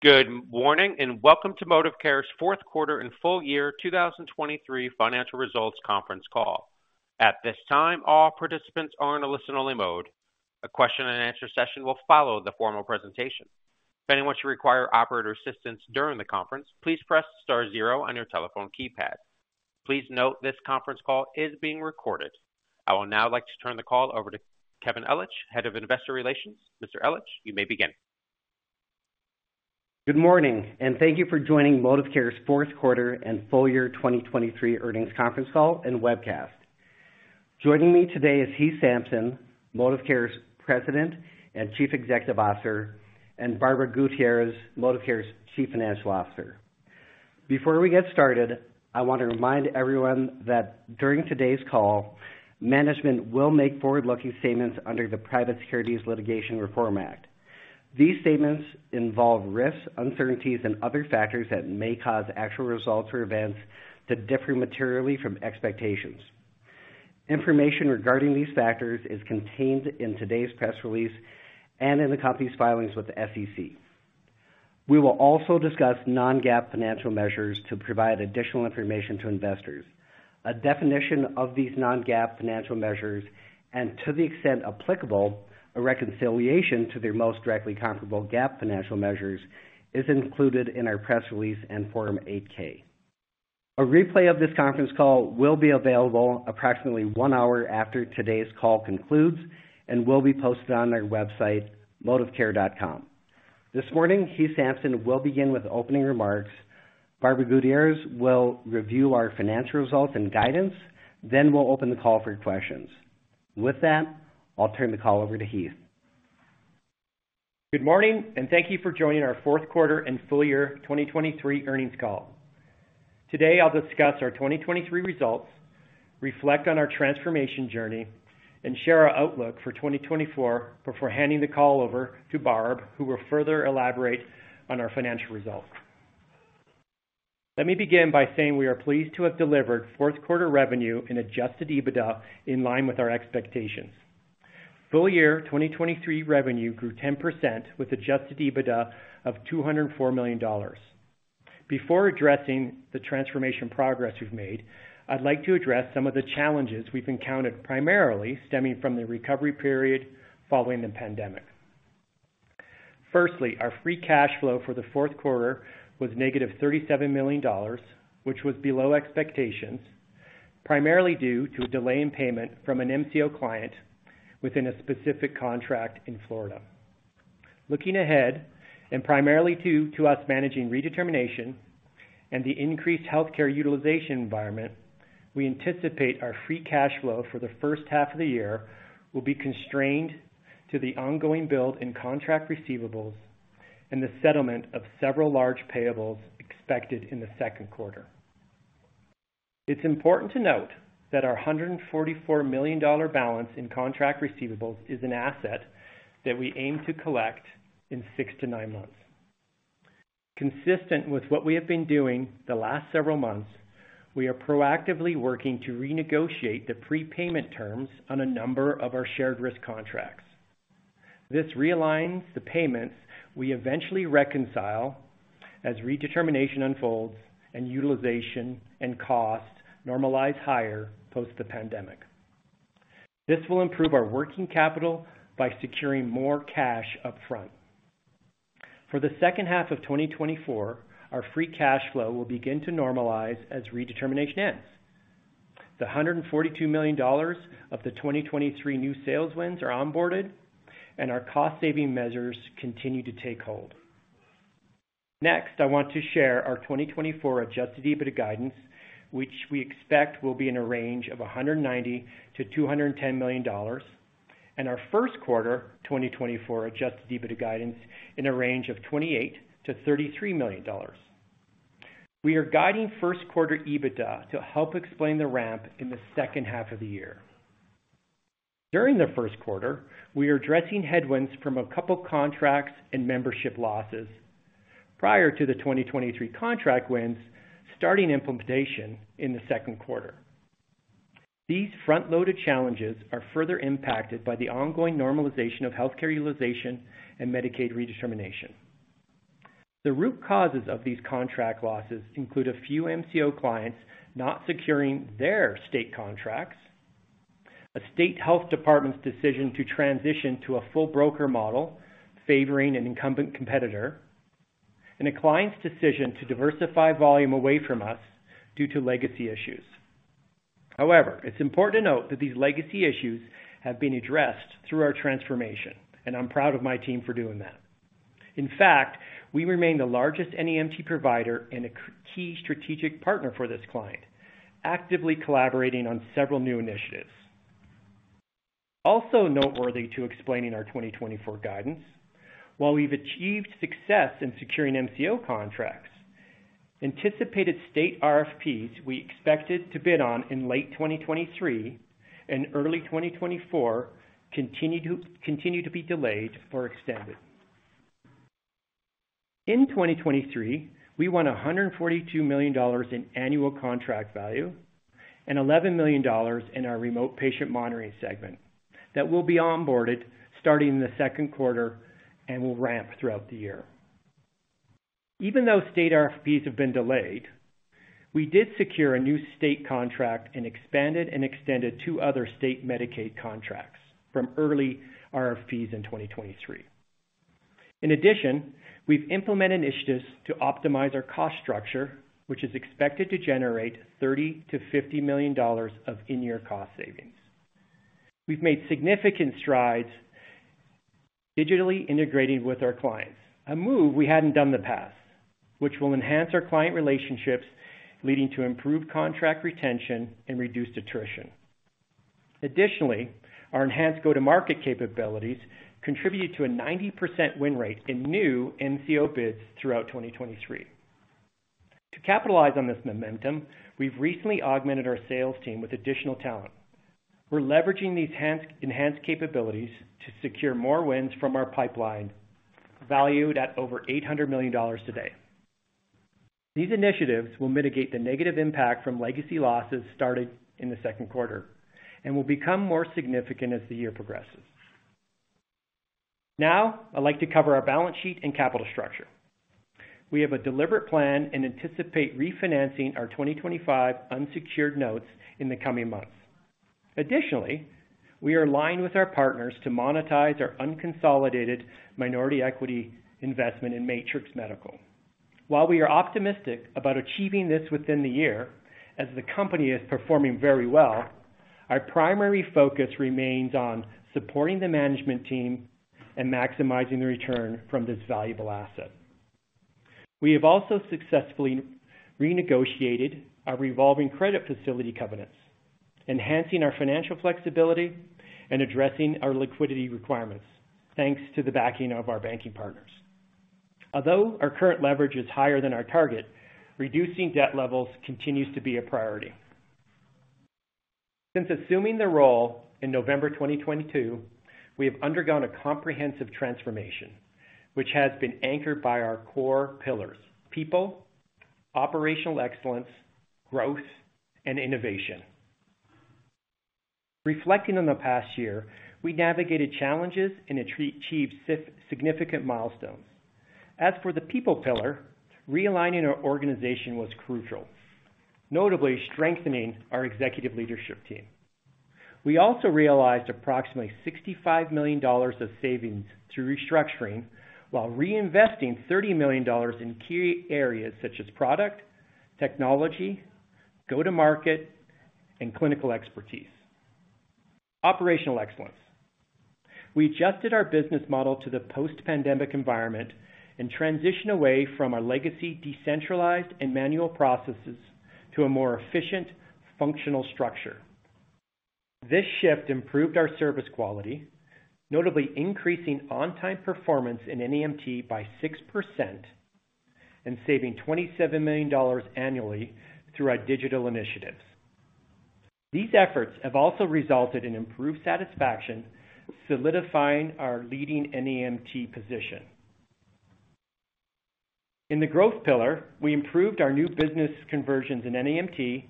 Good morning and welcome to ModivCare's Fourth Quarter and Full Year 2023 Financial Results Conference Call. At this time, all participants are in a listen-only mode. A question-and-answer session will follow the formal presentation. If anyone should require operator assistance during the conference, please press star zero on your telephone keypad. Please note this conference call is being recorded. I will now like to turn the call over to Kevin Ellich, Head of Investor Relations. Mr. Ellich, you may begin. Good morning and thank you for joining ModivCare's Fourth Quarter and Full Year 2023 Earnings Conference Call and webcast. Joining me today is Heath Sampson, ModivCare's President and Chief Executive Officer, and Barbara Gutierrez, ModivCare's Chief Financial Officer. Before we get started, I want to remind everyone that during today's call, management will make forward-looking statements under the Private Securities Litigation Reform Act. These statements involve risks, uncertainties, and other factors that may cause actual results or events to differ materially from expectations. Information regarding these factors is contained in today's press release and in the company's filings with the SEC. We will also discuss non-GAAP financial measures to provide additional information to investors. A definition of these non-GAAP financial measures, and to the extent applicable, a reconciliation to their most directly comparable GAAP financial measures is included in our press release and Form 8-K. A replay of this conference call will be available approximately one hour after today's call concludes and will be posted on our website, ModivCare.com. This morning, Heath Sampson will begin with opening remarks. Barbara Gutierrez will review our financial results and guidance. Then we'll open the call for questions. With that, I'll turn the call over to Heath. Good morning and thank you for joining our fourth quarter and full year 2023 earnings call. Today I'll discuss our 2023 results, reflect on our transformation journey, and share our outlook for 2024 before handing the call over to Barb, who will further elaborate on our financial results. Let me begin by saying we are pleased to have delivered fourth quarter revenue in Adjusted EBITDA in line with our expectations. Full year 2023 revenue grew 10% with Adjusted EBITDA of $204 million. Before addressing the transformation progress we've made, I'd like to address some of the challenges we've encountered, primarily stemming from the recovery period following the pandemic. Firstly, our free cash flow for the fourth quarter was -$37 million, which was below expectations, primarily due to a delay in payment from an MCO client within a specific contract in Florida. Looking ahead, and primarily due to us managing redetermination and the increased healthcare utilization environment, we anticipate our Free Cash Flow for the first half of the year will be constrained to the ongoing billed and contract receivables and the settlement of several large payables expected in the second quarter. It's important to note that our $144 million balance in contract receivables is an asset that we aim to collect in six to nine months. Consistent with what we have been doing the last several months, we are proactively working to renegotiate the prepayment terms on a number of our shared risk contracts. This realigns the payments we eventually reconcile as redetermination unfolds and utilization and costs normalize higher post the pandemic. This will improve our working capital by securing more cash upfront. For the second half of 2024, our Free Cash Flow will begin to normalize as redetermination ends. The $142 million of the 2023 new sales wins are onboarded, and our cost-saving measures continue to take hold. Next, I want to share our 2024 adjusted EBITDA guidance, which we expect will be in a range of $190 million-$210 million, and our first quarter 2024 adjusted EBITDA guidance in a range of $28 million-$33 million. We are guiding first quarter EBITDA to help explain the ramp in the second half of the year. During the first quarter, we are addressing headwinds from a couple contracts and membership losses prior to the 2023 contract wins starting implementation in the second quarter. These front-loaded challenges are further impacted by the ongoing normalization of healthcare utilization and Medicaid redetermination. The root causes of these contract losses include a few MCO clients not securing their state contracts, a state health department's decision to transition to a full broker model favoring an incumbent competitor, and a client's decision to diversify volume away from us due to legacy issues. However, it's important to note that these legacy issues have been addressed through our transformation, and I'm proud of my team for doing that. In fact, we remain the largest NEMT provider and a key strategic partner for this client, actively collaborating on several new initiatives. Also noteworthy to explaining our 2024 guidance, while we've achieved success in securing MCO contracts, anticipated state RFPs we expected to bid on in late 2023 and early 2024 continue to be delayed or extended. In 2023, we won $142 million in annual contract value and $11 million in our remote patient monitoring segment that will be onboarded starting in the second quarter and will ramp throughout the year. Even though state RFPs have been delayed, we did secure a new state contract and expanded and extended two other state Medicaid contracts from early RFPs in 2023. In addition, we've implemented initiatives to optimize our cost structure, which is expected to generate $30 million-$50 million of in-year cost savings. We've made significant strides digitally integrating with our clients, a move we hadn't done in the past, which will enhance our client relationships, leading to improved contract retention and reduced attrition. Additionally, our enhanced go-to-market capabilities contribute to a 90% win rate in new MCO bids throughout 2023. To capitalize on this momentum, we've recently augmented our sales team with additional talent. We're leveraging these enhanced capabilities to secure more wins from our pipeline, valued at over $800 million today. These initiatives will mitigate the negative impact from legacy losses started in the second quarter and will become more significant as the year progresses. Now, I'd like to cover our balance sheet and capital structure. We have a deliberate plan and anticipate refinancing our 2025 unsecured notes in the coming months. Additionally, we are aligned with our partners to monetize our unconsolidated minority equity investment in Matrix Medical. While we are optimistic about achieving this within the year as the company is performing very well, our primary focus remains on supporting the management team and maximizing the return from this valuable asset. We have also successfully renegotiated our revolving credit facility covenants, enhancing our financial flexibility and addressing our liquidity requirements, thanks to the backing of our banking partners. Although our current leverage is higher than our target, reducing debt levels continues to be a priority. Since assuming the role in November 2022, we have undergone a comprehensive transformation, which has been anchored by our core pillars: people, operational excellence, growth, and innovation. Reflecting on the past year, we navigated challenges and achieved significant milestones. As for the people pillar, realigning our organization was crucial, notably strengthening our executive leadership team. We also realized approximately $65 million of savings through restructuring while reinvesting $30 million in key areas such as product, technology, go-to-market, and clinical expertise. Operational excellence: we adjusted our business model to the post-pandemic environment and transitioned away from our legacy decentralized and manual processes to a more efficient, functional structure. This shift improved our service quality, notably increasing on-time performance in NEMT by 6% and saving $27 million annually through our digital initiatives. These efforts have also resulted in improved satisfaction, solidifying our leading NEMT position. In the growth pillar, we improved our new business conversions in NEMT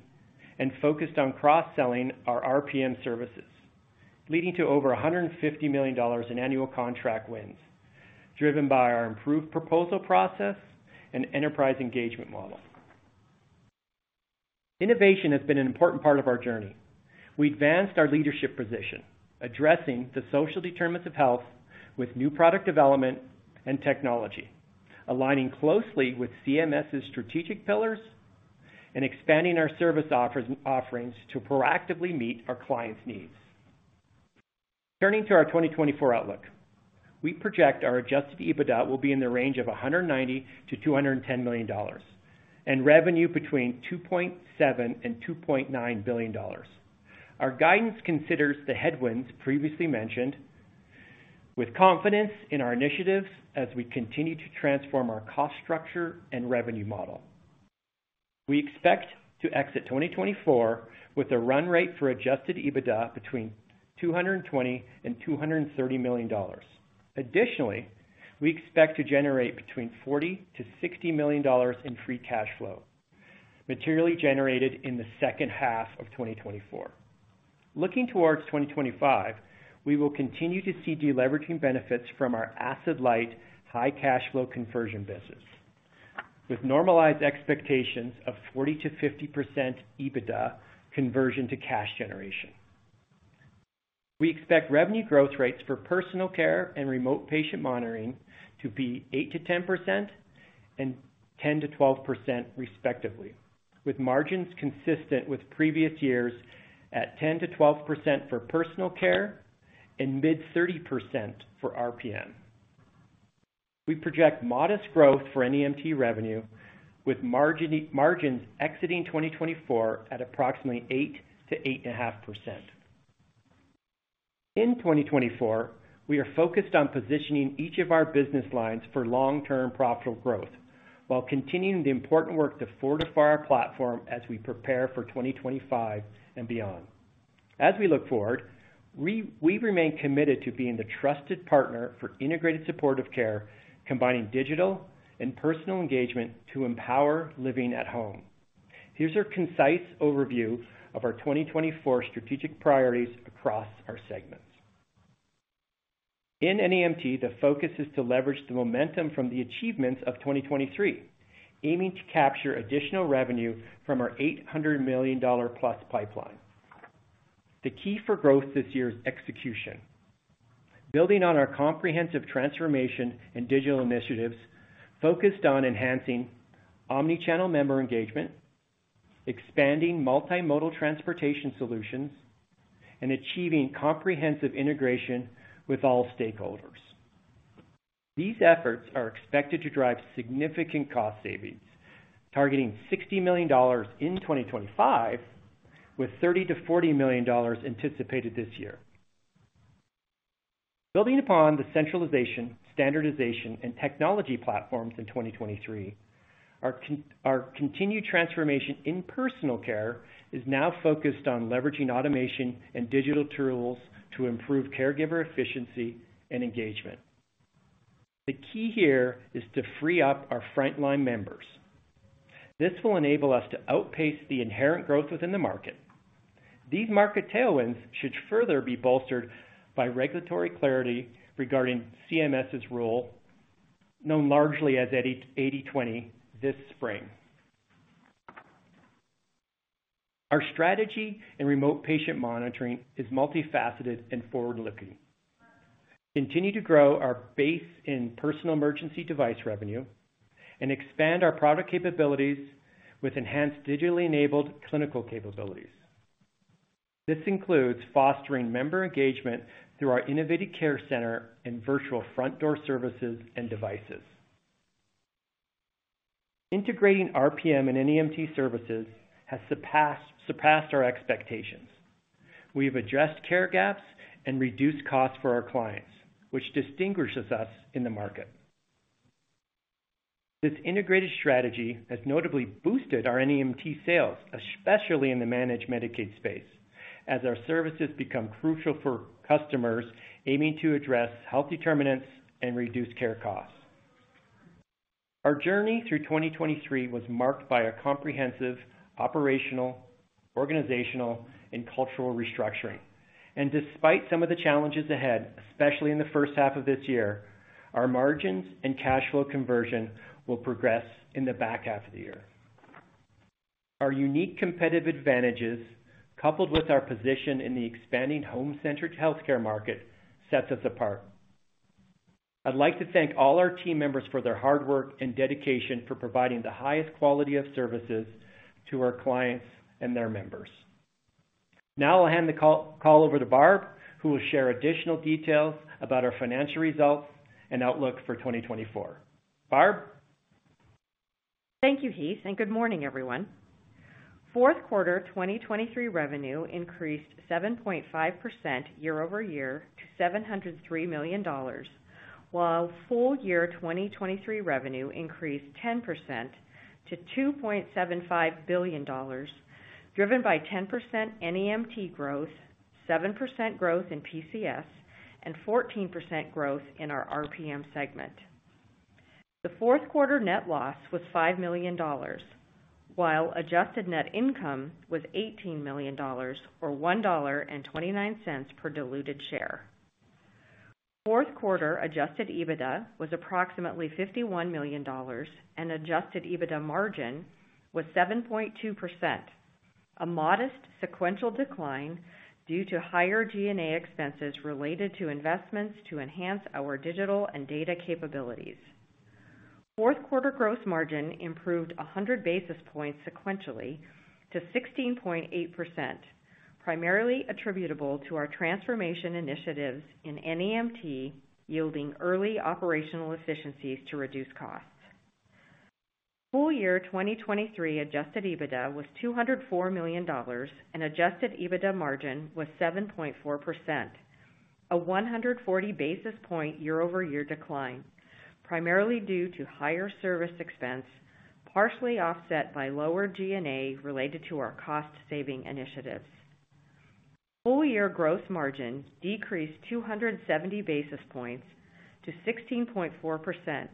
and focused on cross-selling our RPM services, leading to over $150 million in annual contract wins, driven by our improved proposal process and enterprise engagement model. Innovation has been an important part of our journey. We advanced our leadership position, addressing the social determinants of health with new product development and technology, aligning closely with CMS's strategic pillars, and expanding our service offerings to proactively meet our clients' needs. Turning to our 2024 outlook, we project our Adjusted EBITDA will be in the range of $190 million-$210 million and revenue between $2.7 billion and $2.9 billion. Our guidance considers the headwinds previously mentioned, with confidence in our initiatives as we continue to transform our cost structure and revenue model. We expect to exit 2024 with a run rate for Adjusted EBITDA between $220 million-$230 million. Additionally, we expect to generate between $40 million-$60 million in free cash flow, materially generated in the second half of 2024. Looking towards 2025, we will continue to see deleveraging benefits from our asset-light, high-cash flow conversion business, with normalized expectations of 40%-50% EBITDA conversion to cash generation. We expect revenue growth rates for personal care and remote patient monitoring to be 8%-10% and 10%-12%, respectively, with margins consistent with previous years at 10%-12% for personal care and mid-30% for RPM. We project modest growth for NEMT revenue, with margins exiting 2024 at approximately 8%-8.5%. In 2024, we are focused on positioning each of our business lines for long-term profitable growth while continuing the important work to fortify our platform as we prepare for 2025 and beyond. As we look forward, we remain committed to being the trusted partner for integrated supportive care, combining digital and personal engagement to empower living at home. Here's our concise overview of our 2024 strategic priorities across our segments. In NEMT, the focus is to leverage the momentum from the achievements of 2023, aiming to capture additional revenue from our $800+ million pipeline. The key for growth this year is execution, building on our comprehensive transformation and digital initiatives focused on enhancing omnichannel member engagement, expanding multimodal transportation solutions, and achieving comprehensive integration with all stakeholders. These efforts are expected to drive significant cost savings, targeting $60 million in 2025 with $30 million-$40 million anticipated this year. Building upon the centralization, standardization, and technology platforms in 2023, our continued transformation in personal care is now focused on leveraging automation and digital tools to improve caregiver efficiency and engagement. The key here is to free up our front-line members. This will enable us to outpace the inherent growth within the market. These market tailwinds should further be bolstered by regulatory clarity regarding CMS's rule, known largely as 80/20, this spring. Our strategy in remote patient monitoring is multifaceted and forward-looking. Continue to grow our base in personal emergency device revenue and expand our product capabilities with enhanced digitally-enabled clinical capabilities. This includes fostering member engagement through our innovative care center and virtual front-door services and devices. Integrating RPM and NEMT services has surpassed our expectations. We have addressed care gaps and reduced costs for our clients, which distinguishes us in the market. This integrated strategy has notably boosted our NEMT sales, especially in the managed Medicaid space, as our services become crucial for customers aiming to address health determinants and reduce care costs. Our journey through 2023 was marked by a comprehensive operational, organizational, and cultural restructuring. Despite some of the challenges ahead, especially in the first half of this year, our margins and cash flow conversion will progress in the back half of the year. Our unique competitive advantages, coupled with our position in the expanding home-centered healthcare market, set us apart. I'd like to thank all our team members for their hard work and dedication for providing the highest quality of services to our clients and their members. Now I'll hand the call over to Barb, who will share additional details about our financial results and outlook for 2024. Barb? Thank you, Heath, and good morning, everyone. Fourth quarter 2023 revenue increased 7.5% year-over-year to $703 million, while full-year 2023 revenue increased 10% to $2.75 billion, driven by 10% NEMT growth, 7% growth in PCS, and 14% growth in our RPM segment. The fourth quarter net loss was $5 million, while adjusted net income was $18 million, or $1.29 per diluted share. Fourth quarter adjusted EBITDA was approximately $51 million, and adjusted EBITDA margin was 7.2%, a modest sequential decline due to higher G&A expenses related to investments to enhance our digital and data capabilities. Fourth quarter gross margin improved 100 basis points sequentially to 16.8%, primarily attributable to our transformation initiatives in NEMT yielding early operational efficiencies to reduce costs. Full-year 2023 adjusted EBITDA was $204 million, and adjusted EBITDA margin was 7.4%, a 140 basis points year-over-year decline, primarily due to higher service expense, partially offset by lower G&A related to our cost-saving initiatives. Full-year gross margin decreased 270 basis points to 16.4%,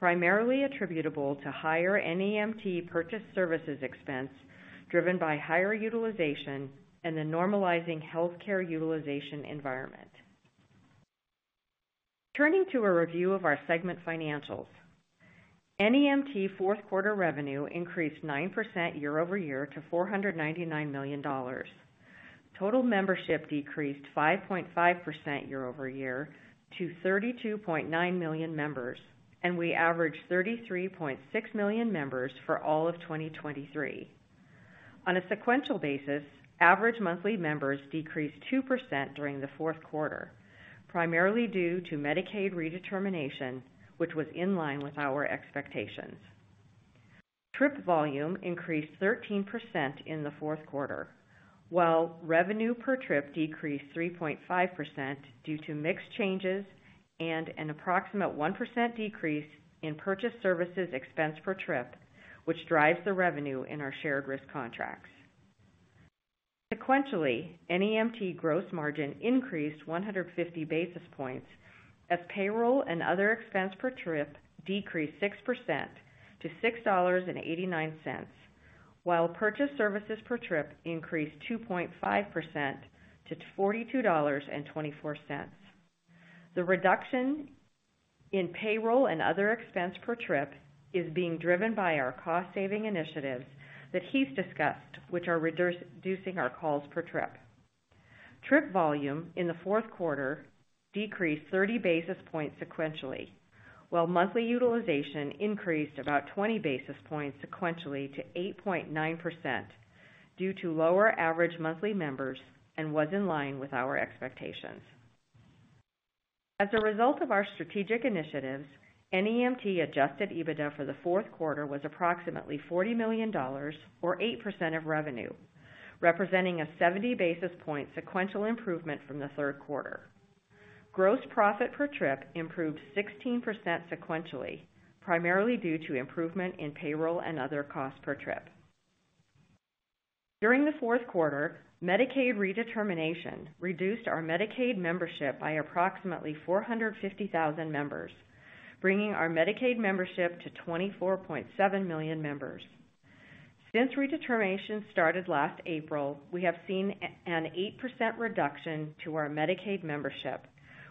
primarily attributable to higher NEMT purchased services expense driven by higher utilization and the normalizing healthcare utilization environment. Turning to a review of our segment financials: NEMT fourth quarter revenue increased 9% year-over-year to $499 million. Total membership decreased 5.5% year-over-year to 32.9 million members, and we averaged 33.6 million members for all of 2023. On a sequential basis, average monthly members decreased 2% during the fourth quarter, primarily due to Medicaid redetermination, which was in line with our expectations. Trip volume increased 13% in the fourth quarter, while revenue per trip decreased 3.5% due to mixed changes and an approximate 1% decrease in purchased services expense per trip, which drives the revenue in our shared risk contracts. Sequentially, NEMT gross margin increased 150 basis points as payroll and other expense per trip decreased 6% to $6.89, while purchased services per trip increased 2.5% to $42.24. The reduction in payroll and other expense per trip is being driven by our cost-saving initiatives that Heath discussed, which are reducing our calls per trip. Trip volume in the fourth quarter decreased 30 basis points sequentially, while monthly utilization increased about 20 basis points sequentially to 8.9% due to lower average monthly members and was in line with our expectations. As a result of our strategic initiatives, NEMT adjusted EBITDA for the fourth quarter was approximately $40 million, or 8% of revenue, representing a 70 basis point sequential improvement from the third quarter. Gross profit per trip improved 16% sequentially, primarily due to improvement in payroll and other costs per trip. During the fourth quarter, Medicaid redetermination reduced our Medicaid membership by approximately 450,000 members, bringing our Medicaid membership to 24.7 million members. Since redetermination started last April, we have seen an 8% reduction to our Medicaid membership,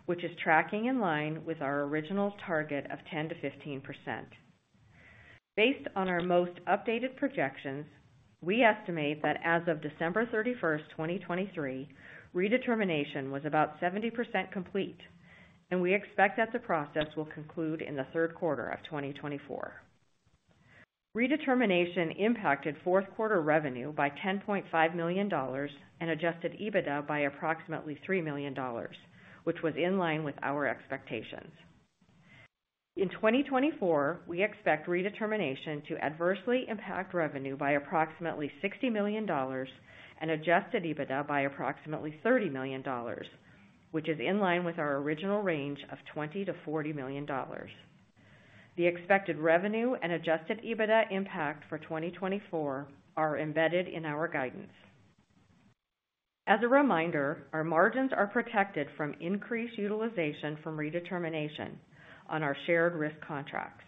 which is tracking in line with our original target of 10%-15%. Based on our most updated projections, we estimate that as of December 31, 2023, redetermination was about 70% complete, and we expect that the process will conclude in the third quarter of 2024. Redetermination impacted fourth quarter revenue by $10.5 million and adjusted EBITDA by approximately $3 million, which was in line with our expectations. In 2024, we expect redetermination to adversely impact revenue by approximately $60 million and adjusted EBITDA by approximately $30 million, which is in line with our original range of $20 million-$40 million. The expected revenue and adjusted EBITDA impact for 2024 are embedded in our guidance. As a reminder, our margins are protected from increased utilization from redetermination on our shared risk contracts.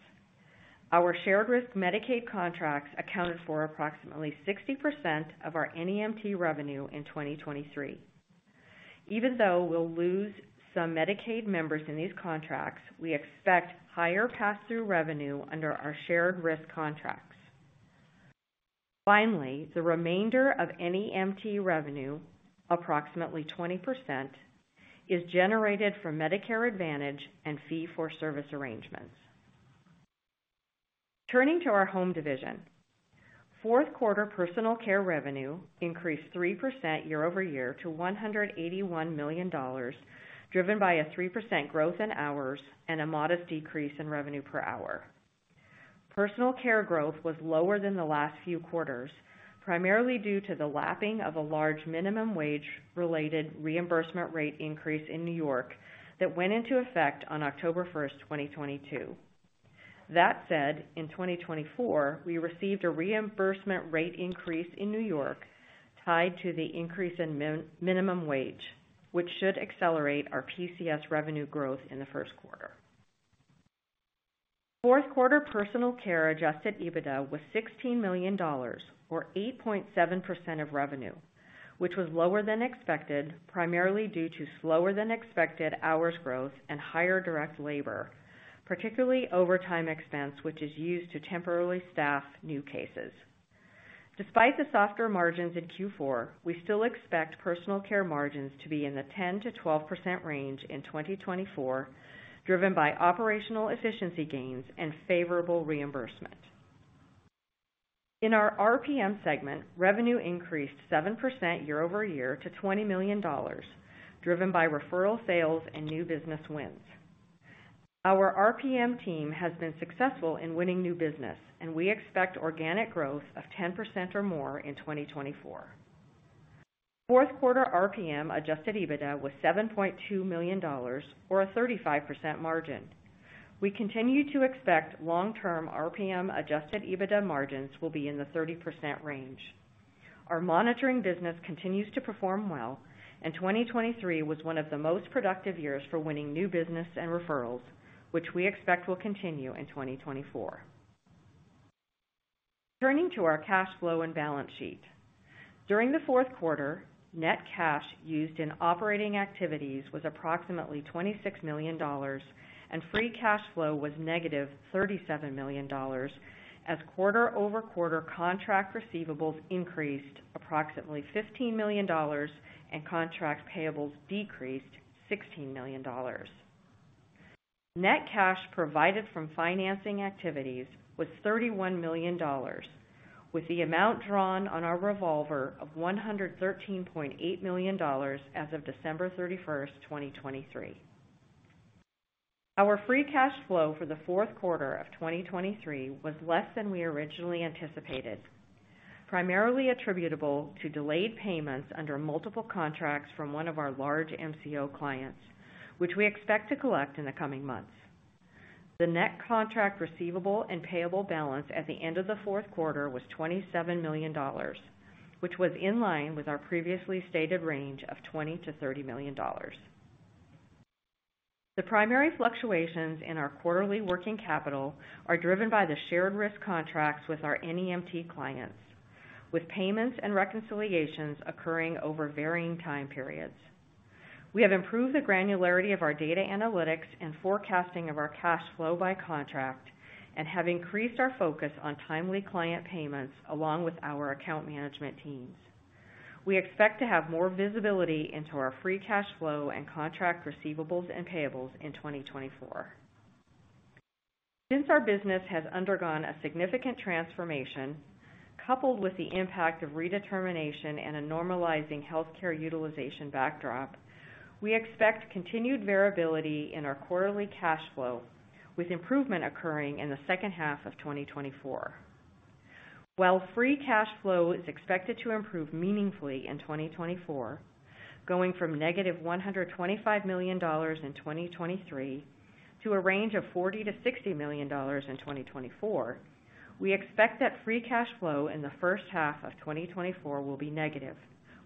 Our shared risk Medicaid contracts accounted for approximately 60% of our NEMT revenue in 2023. Even though we'll lose some Medicaid members in these contracts, we expect higher pass-through revenue under our shared risk contracts. Finally, the remainder of NEMT revenue, approximately 20%, is generated from Medicare Advantage and fee-for-service arrangements. Turning to our home division: fourth quarter personal care revenue increased 3% year-over-year to $181 million, driven by a 3% growth in hours and a modest decrease in revenue per hour. Personal Care growth was lower than the last few quarters, primarily due to the lapping of a large minimum wage-related reimbursement rate increase in New York that went into effect on October 1, 2022. That said, in 2024, we received a reimbursement rate increase in New York tied to the increase in minimum wage, which should accelerate our PCS revenue growth in the first quarter. Fourth quarter personal care Adjusted EBITDA was $16 million, or 8.7% of revenue, which was lower than expected, primarily due to slower-than-expected hours growth and higher direct labor, particularly overtime expense which is used to temporarily staff new cases. Despite the softer margins in Q4, we still expect personal care margins to be in the 10%-12% range in 2024, driven by operational efficiency gains and favorable reimbursement. In our RPM segment, revenue increased 7% year-over-year to $20 million, driven by referral sales and new business wins. Our RPM team has been successful in winning new business, and we expect organic growth of 10% or more in 2024. Fourth quarter RPM Adjusted EBITDA was $7.2 million, or a 35% margin. We continue to expect long-term RPM Adjusted EBITDA margins will be in the 30% range. Our monitoring business continues to perform well, and 2023 was one of the most productive years for winning new business and referrals, which we expect will continue in 2024. Turning to our cash flow and balance sheet: during the fourth quarter, net cash used in operating activities was approximately $26 million, and free cash flow was -$37 million as quarter-over-quarter contract receivables increased approximately $15 million and contract payables decreased $16 million. Net cash provided from financing activities was $31 million, with the amount drawn on our revolver of $113.8 million as of December 31, 2023. Our free cash flow for the fourth quarter of 2023 was less than we originally anticipated, primarily attributable to delayed payments under multiple contracts from one of our large MCO clients, which we expect to collect in the coming months. The net contract receivable and payable balance at the end of the fourth quarter was $27 million, which was in line with our previously stated range of $20-$30 million. The primary fluctuations in our quarterly working capital are driven by the shared risk contracts with our NEMT clients, with payments and reconciliations occurring over varying time periods. We have improved the granularity of our data analytics and forecasting of our cash flow by contract, and have increased our focus on timely client payments along with our account management teams. We expect to have more visibility into our Free Cash Flow and contract receivables and payables in 2024. Since our business has undergone a significant transformation, coupled with the impact of redetermination and a normalizing healthcare utilization backdrop, we expect continued variability in our quarterly cash flow, with improvement occurring in the second half of 2024. While free cash flow is expected to improve meaningfully in 2024, going from negative $125 million in 2023 to a range of $40 million-$60 million in 2024, we expect that free cash flow in the first half of 2024 will be negative,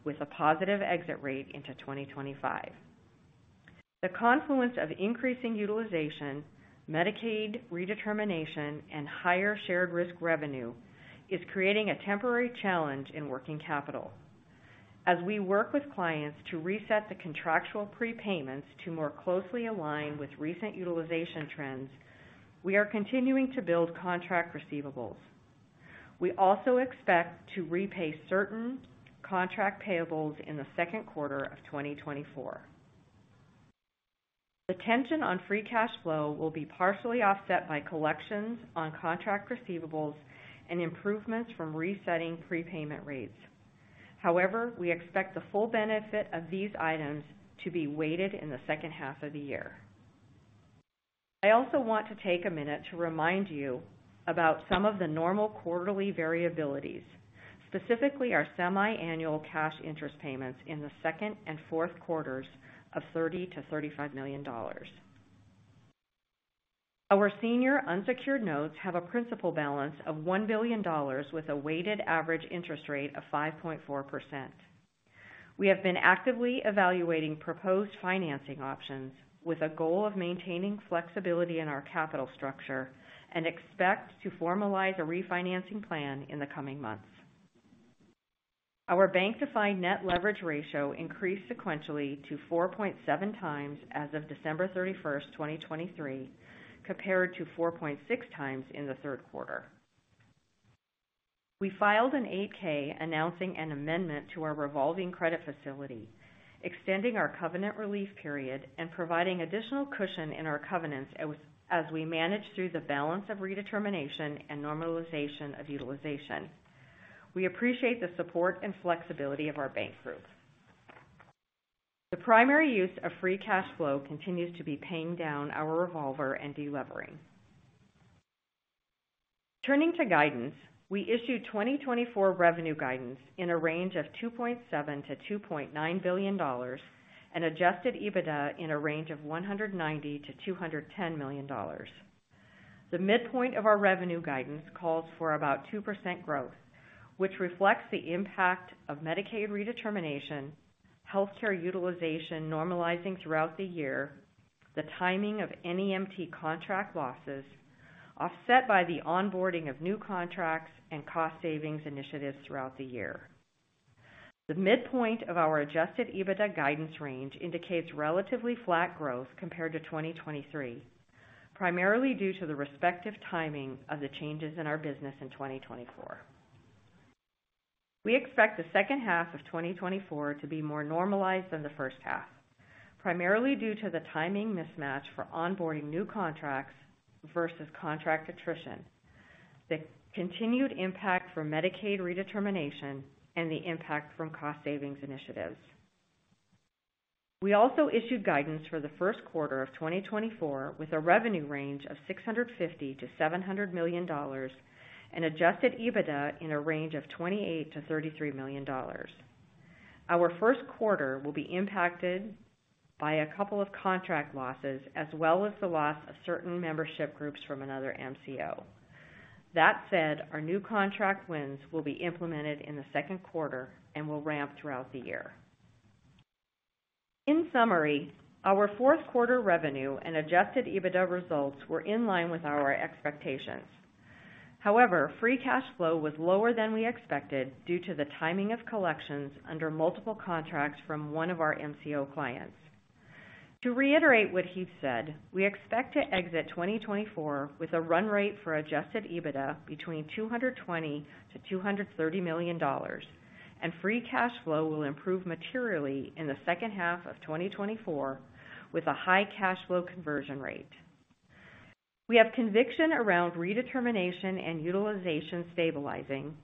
with a positive exit rate into 2025. The confluence of increasing utilization, Medicaid redetermination, and higher shared risk revenue is creating a temporary challenge in working capital. As we work with clients to reset the contractual prepayments to more closely align with recent utilization trends, we are continuing to build contract receivables. We also expect to repay certain contract payables in the second quarter of 2024. The tension on free cash flow will be partially offset by collections on contract receivables and improvements from resetting prepayment rates. However, we expect the full benefit of these items to be weighted in the second half of the year. I also want to take a minute to remind you about some of the normal quarterly variabilities, specifically our semi-annual cash interest payments in the second and fourth quarters of $30 million-$35 million. Our senior unsecured notes have a principal balance of $1 billion with a weighted average interest rate of 5.4%. We have been actively evaluating proposed financing options with a goal of maintaining flexibility in our capital structure and expect to formalize a refinancing plan in the coming months. Our bank-defined net leverage ratio increased sequentially to 4.7x as of December 31, 2023, compared to 4.6x in the third quarter. We filed an 8-K announcing an amendment to our revolving credit facility, extending our covenant relief period and providing additional cushion in our covenants as we manage through the balance of redetermination and normalization of utilization. We appreciate the support and flexibility of our bank group. The primary use of free cash flow continues to be paying down our revolver and delevering. Turning to guidance: we issued 2024 revenue guidance in a range of $2.7 billion-$2.9 billion and Adjusted EBITDA in a range of $190 million-$210 million. The midpoint of our revenue guidance calls for about 2% growth, which reflects the impact of Medicaid redetermination, healthcare utilization normalizing throughout the year, the timing of NEMT contract losses, offset by the onboarding of new contracts and cost-savings initiatives throughout the year. The midpoint of our Adjusted EBITDA guidance range indicates relatively flat growth compared to 2023, primarily due to the respective timing of the changes in our business in 2024. We expect the second half of 2024 to be more normalized than the first half, primarily due to the timing mismatch for onboarding new contracts versus contract attrition, the continued impact from Medicaid redetermination, and the impact from cost-savings initiatives. We also issued guidance for the first quarter of 2024 with a revenue range of $650 million-$700 million and adjusted EBITDA in a range of $28 million-$33 million. Our first quarter will be impacted by a couple of contract losses as well as the loss of certain membership groups from another MCO. That said, our new contract wins will be implemented in the second quarter and will ramp throughout the year. In summary, our fourth quarter revenue and adjusted EBITDA results were in line with our expectations. However, free cash flow was lower than we expected due to the timing of collections under multiple contracts from one of our MCO clients. To reiterate what Heath said, we expect to exit 2024 with a run rate for Adjusted EBITDA between $220 million-$230 million, and free cash flow will improve materially in the second half of 2024 with a high cash flow conversion rate. We have conviction around redetermination and utilization stabilizing,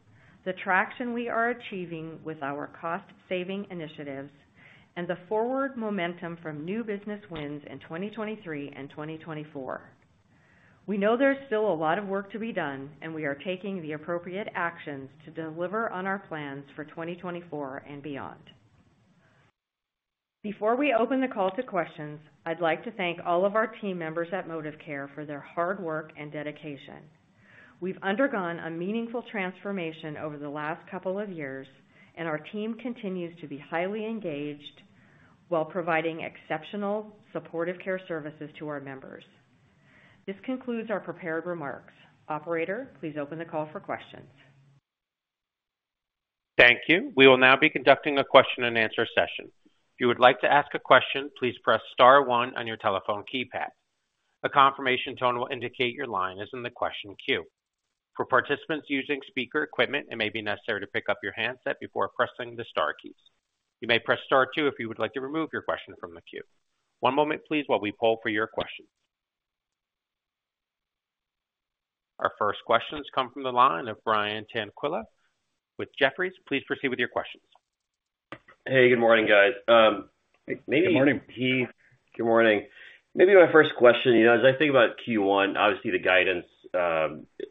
the traction we are achieving with our cost-saving initiatives, and the forward momentum from new business wins in 2023 and 2024. We know there's still a lot of work to be done, and we are taking the appropriate actions to deliver on our plans for 2024 and beyond. Before we open the call to questions, I'd like to thank all of our team members at ModivCare for their hard work and dedication. We've undergone a meaningful transformation over the last couple of years, and our team continues to be highly engaged while providing exceptional supportive care services to our members. This concludes our prepared remarks. Operator, please open the call for questions. Thank you. We will now be conducting a question-and-answer session. If you would like to ask a question, please press star one on your telephone keypad. A confirmation tone will indicate your line is in the question queue. For participants using speaker equipment, it may be necessary to pick up your handset before pressing the star keys. You may press star two if you would like to remove your question from the queue. One moment, please, while we pull for your questions. Our first questions come from the line of Brian Tanquilut with Jefferies. Please proceed with your questions. Hey, good morning, guys. Maybe Heath. Good morning. Heath. Good morning. Maybe my first question, as I think about Q1, obviously the guidance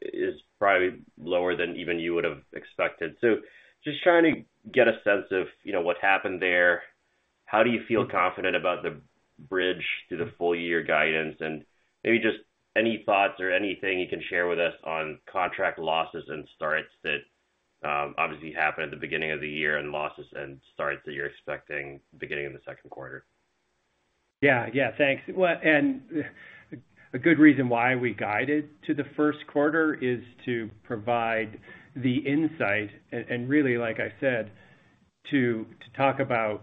is probably lower than even you would have expected. So just trying to get a sense of what happened there. How do you feel confident about the bridge through the full-year guidance? And maybe just any thoughts or anything you can share with us on contract losses and starts that obviously happen at the beginning of the year and losses and starts that you're expecting beginning of the second quarter. Yeah. Yeah. Thanks. And a good reason why we guided to the first quarter is to provide the insight and really, like I said, to talk about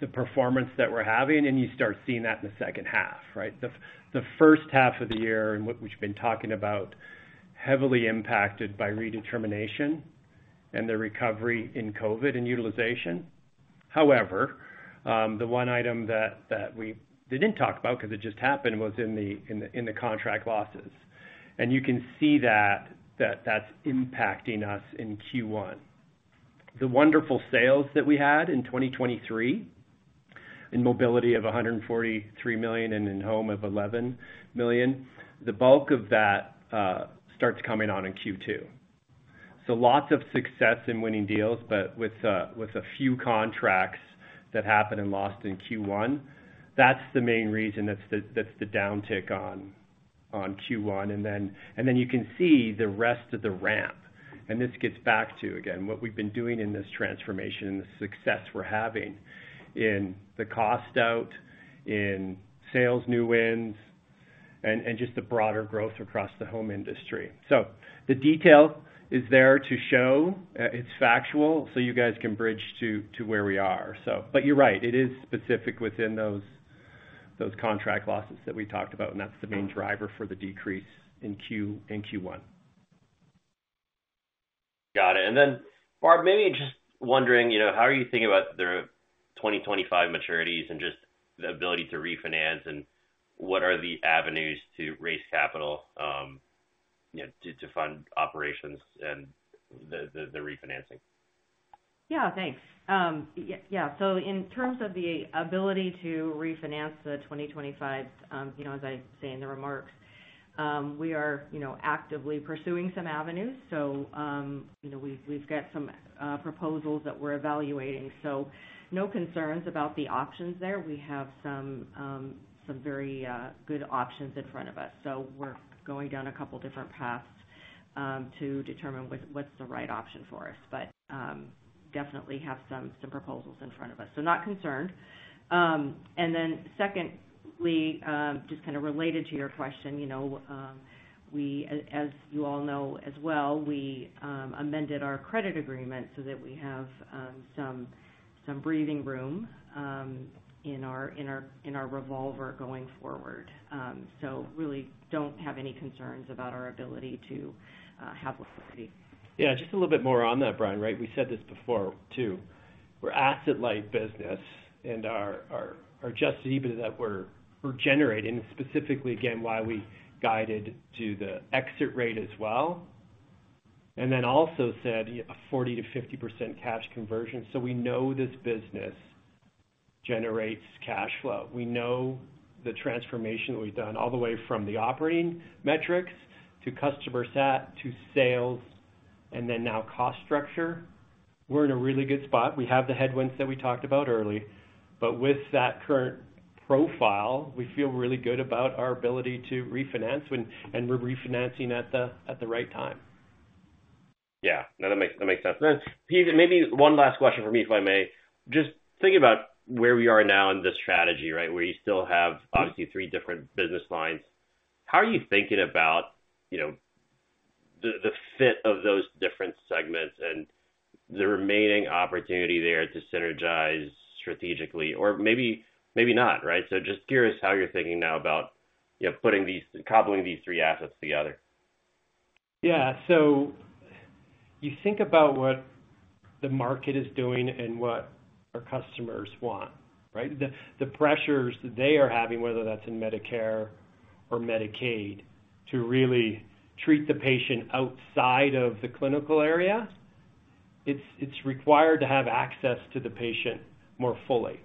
the performance that we're having. And you start seeing that in the second half, right? The first half of the year, which we've been talking about, heavily impacted by redetermination and the recovery in COVID and utilization. However, the one item that we didn't talk about because it just happened was in the contract losses. You can see that that's impacting us in Q1. The wonderful sales that we had in 2023, in mobility of $143 million and in home of $11 million, the bulk of that starts coming on in Q2. Lots of success in winning deals, but with a few contracts that happened and lost in Q1, that's the main reason that's the downtick on Q1. You can see the rest of the ramp. This gets back to, again, what we've been doing in this transformation and the success we're having in the cost out, in sales new wins, and just the broader growth across the home industry. The detail is there to show. It's factual so you guys can bridge to where we are. You're right. It is specific within those contract losses that we talked about, and that's the main driver for the decrease in Q1. Got it. And then, Barb, maybe just wondering, how are you thinking about the 2025 maturities and just the ability to refinance, and what are the avenues to raise capital to fund operations and the refinancing? Yeah. Thanks. Yeah. So in terms of the ability to refinance the 2025, as I say in the remarks, we are actively pursuing some avenues. So we've got some proposals that we're evaluating. So no concerns about the options there. We have some very good options in front of us. So we're going down a couple of different paths to determine what's the right option for us, but definitely have some proposals in front of us. So not concerned. And then secondly, just kind of related to your question, as you all know as well, we amended our credit agreement so that we have some breathing room in our revolver going forward. So really don't have any concerns about our ability to have liquidity. Yeah. Just a little bit more on that, Brian, right? We said this before too. We're asset-light business, and our Adjusted EBITDA that we're generating, specifically, again, why we guided to the exit rate as well, and then also said a 40%-50% cash conversion. So we know this business generates cash flow. We know the transformation that we've done all the way from the operating metrics to customer sat to sales and then now cost structure. We're in a really good spot. We have the headwinds that we talked about early. But with that current profile, we feel really good about our ability to refinance, and we're refinancing at the right time. Yeah. No, that makes sense. Then, Heath, maybe one last question for me, if I may. Just thinking about where we are now in this strategy, right, where you still have, obviously, three different business lines, how are you thinking about the fit of those different segments and the remaining opportunity there to synergize strategically? Or maybe not, right? So just curious how you're thinking now about cobbling these three assets together. Yeah. So you think about what the market is doing and what our customers want, right? The pressures that they are having, whether that's in Medicare or Medicaid, to really treat the patient outside of the clinical area, it's required to have access to the patient more fully.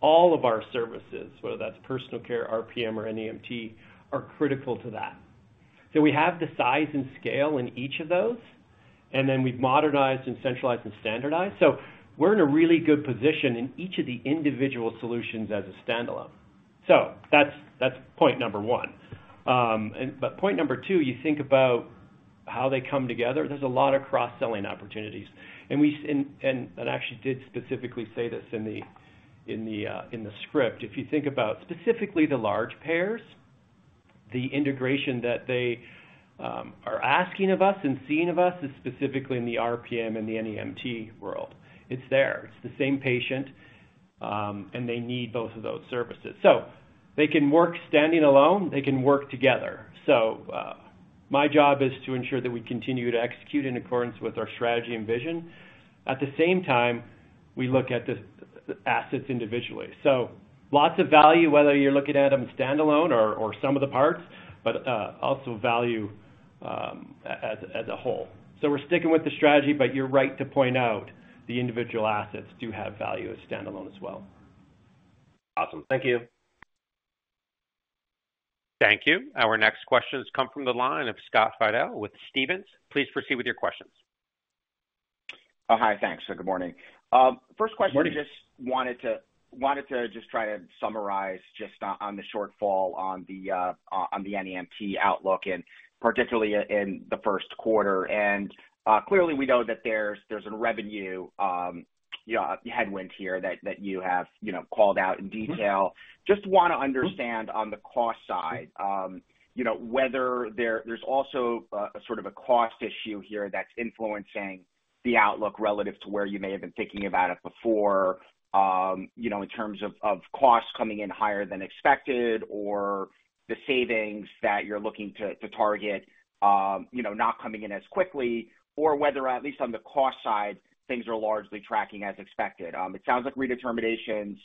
All of our services, whether that's personal care, RPM, or NEMT, are critical to that. So we have the size and scale in each of those, and then we've modernized and centralized and standardized. So we're in a really good position in each of the individual solutions as a standalone. So that's point number one. But point number two, you think about how they come together. There's a lot of cross-selling opportunities. And I actually did specifically say this in the script. If you think about specifically the large payers, the integration that they are asking of us and seeing of us is specifically in the RPM and the NEMT world. It's there. It's the same patient, and they need both of those services. So they can work standing alone. They can work together. So my job is to ensure that we continue to execute in accordance with our strategy and vision. At the same time, we look at the assets individually. So lots of value, whether you're looking at them standalone or some of the parts, but also value as a whole. So we're sticking with the strategy, but you're right to point out the individual assets do have value as standalone as well. Awesome. Thank you. Thank you. Our next questions come from the line of Scott Fidel with Stephens. Please proceed with your questions. Oh, hi. Thanks. Good morning. First question, I just wanted to just try to summarize just on the shortfall on the NEMT outlook, and particularly in the first quarter. And clearly, we know that there's a revenue headwind here that you have called out in detail. Just want to understand on the cost side whether there's also sort of a cost issue here that's influencing the outlook relative to where you may have been thinking about it before in terms of costs coming in higher than expected or the savings that you're looking to target not coming in as quickly, or whether, at least on the cost side, things are largely tracking as expected. It sounds like redeterminations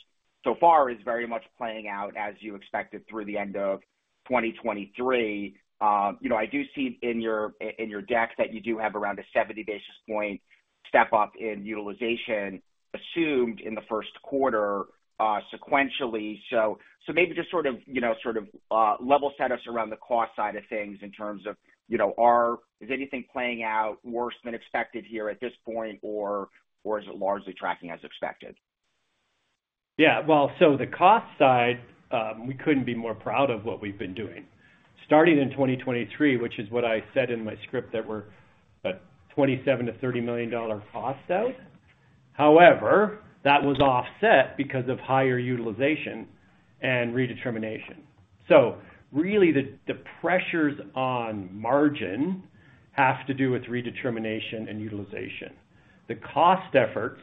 so far is very much playing out as you expected through the end of 2023. I do see in your deck that you do have around a 70-basis-point step up in utilization assumed in the first quarter sequentially. So maybe just sort of level set us around the cost side of things in terms of, is anything playing out worse than expected here at this point, or is it largely tracking as expected? Yeah. Well, so the cost side, we couldn't be more proud of what we've been doing. Starting in 2023, which is what I said in my script, that we're a $27 million-$30 million cost out. However, that was offset because of higher utilization and redetermination. So really, the pressures on margin have to do with redetermination and utilization. The cost efforts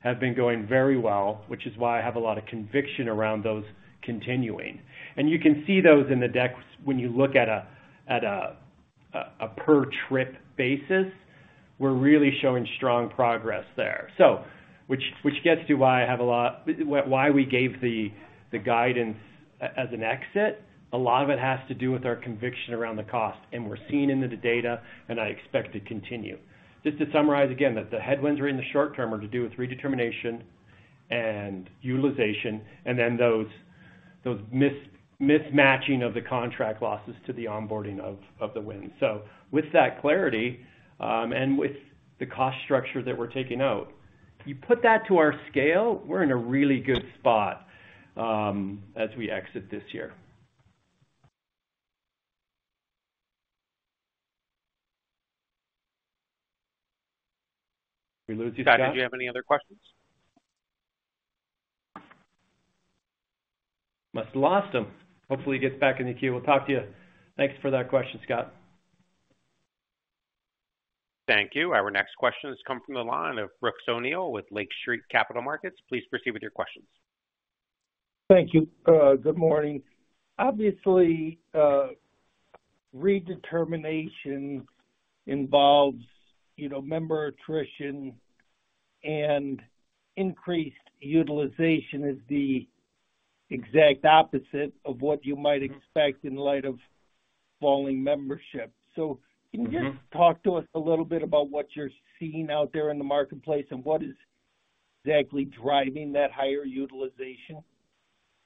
have been going very well, which is why I have a lot of conviction around those continuing. And you can see those in the deck when you look at a per-trip basis. We're really showing strong progress there, which gets to why I have a lot why we gave the guidance as an exit. A lot of it has to do with our conviction around the cost, and we're seeing in the data, and I expect to continue. Just to summarize again, the headwinds are in the short term are to do with redetermination and utilization, and then those mismatching of the contract losses to the onboarding of the wins. So with that clarity and with the cost structure that we're taking out, you put that to our scale, we're in a really good spot as we exit this year. We lose you, Scott. Scott, did you have any other questions? Must have lost him. Hopefully, he gets back in the queue. We'll talk to you. Thanks for that question, Scott. Thank you. Our next question has come from the line of Brooks O'Neil with Lake Street Capital Markets. Please proceed with your questions. Thank you. Good morning. Obviously, redetermination involves member attrition, and increased utilization is the exact opposite of what you might expect in light of falling membership. So can you just talk to us a little bit about what you're seeing out there in the marketplace and what is exactly driving that higher utilization?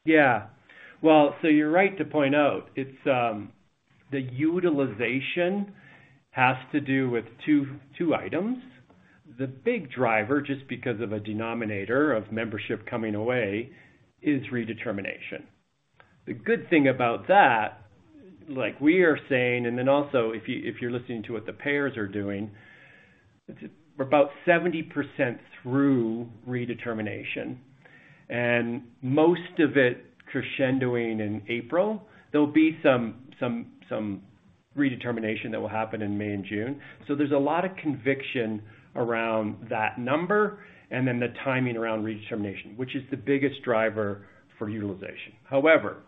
Yeah. Well, so you're right to point out. The utilization has to do with two items. The big driver, just because of a denominator of membership coming away, is redetermination. The good thing about that, like we are saying, and then also if you're listening to what the payers are doing, we're about 70% through redetermination. And most of it crescendoing in April. There'll be some redetermination that will happen in May and June. So there's a lot of conviction around that number and then the timing around redetermination, which is the biggest driver for utilization. However,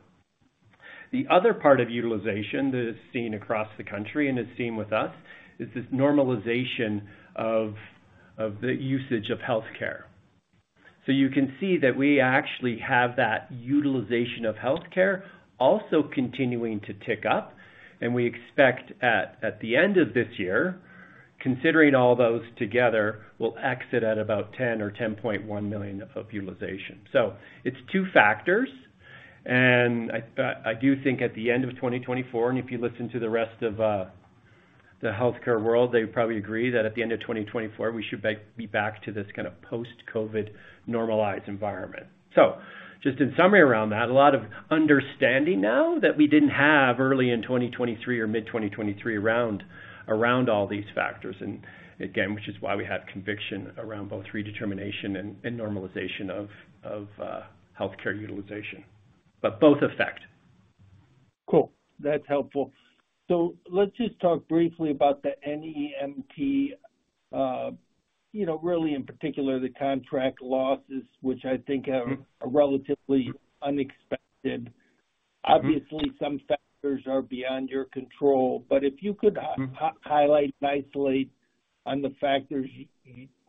the other part of utilization that is seen across the country and is seen with us is this normalization of the usage of healthcare. So you can see that we actually have that utilization of healthcare also continuing to tick up. And we expect at the end of this year, considering all those together, we'll exit at about 10 million or 10.1 million of utilization. So it's two factors. And I do think at the end of 2024, and if you listen to the rest of the healthcare world, they probably agree that at the end of 2024, we should be back to this kind of post-COVID normalized environment. So just in summary around that, a lot of understanding now that we didn't have early in 2023 or mid-2023 around all these factors, again, which is why we have conviction around both redetermination and normalization of healthcare utilization, but both affect. Cool. That's helpful. So let's just talk briefly about the NEMT, really in particular, the contract losses, which I think are relatively unexpected. Obviously, some factors are beyond your control. But if you could highlight and isolate on the factors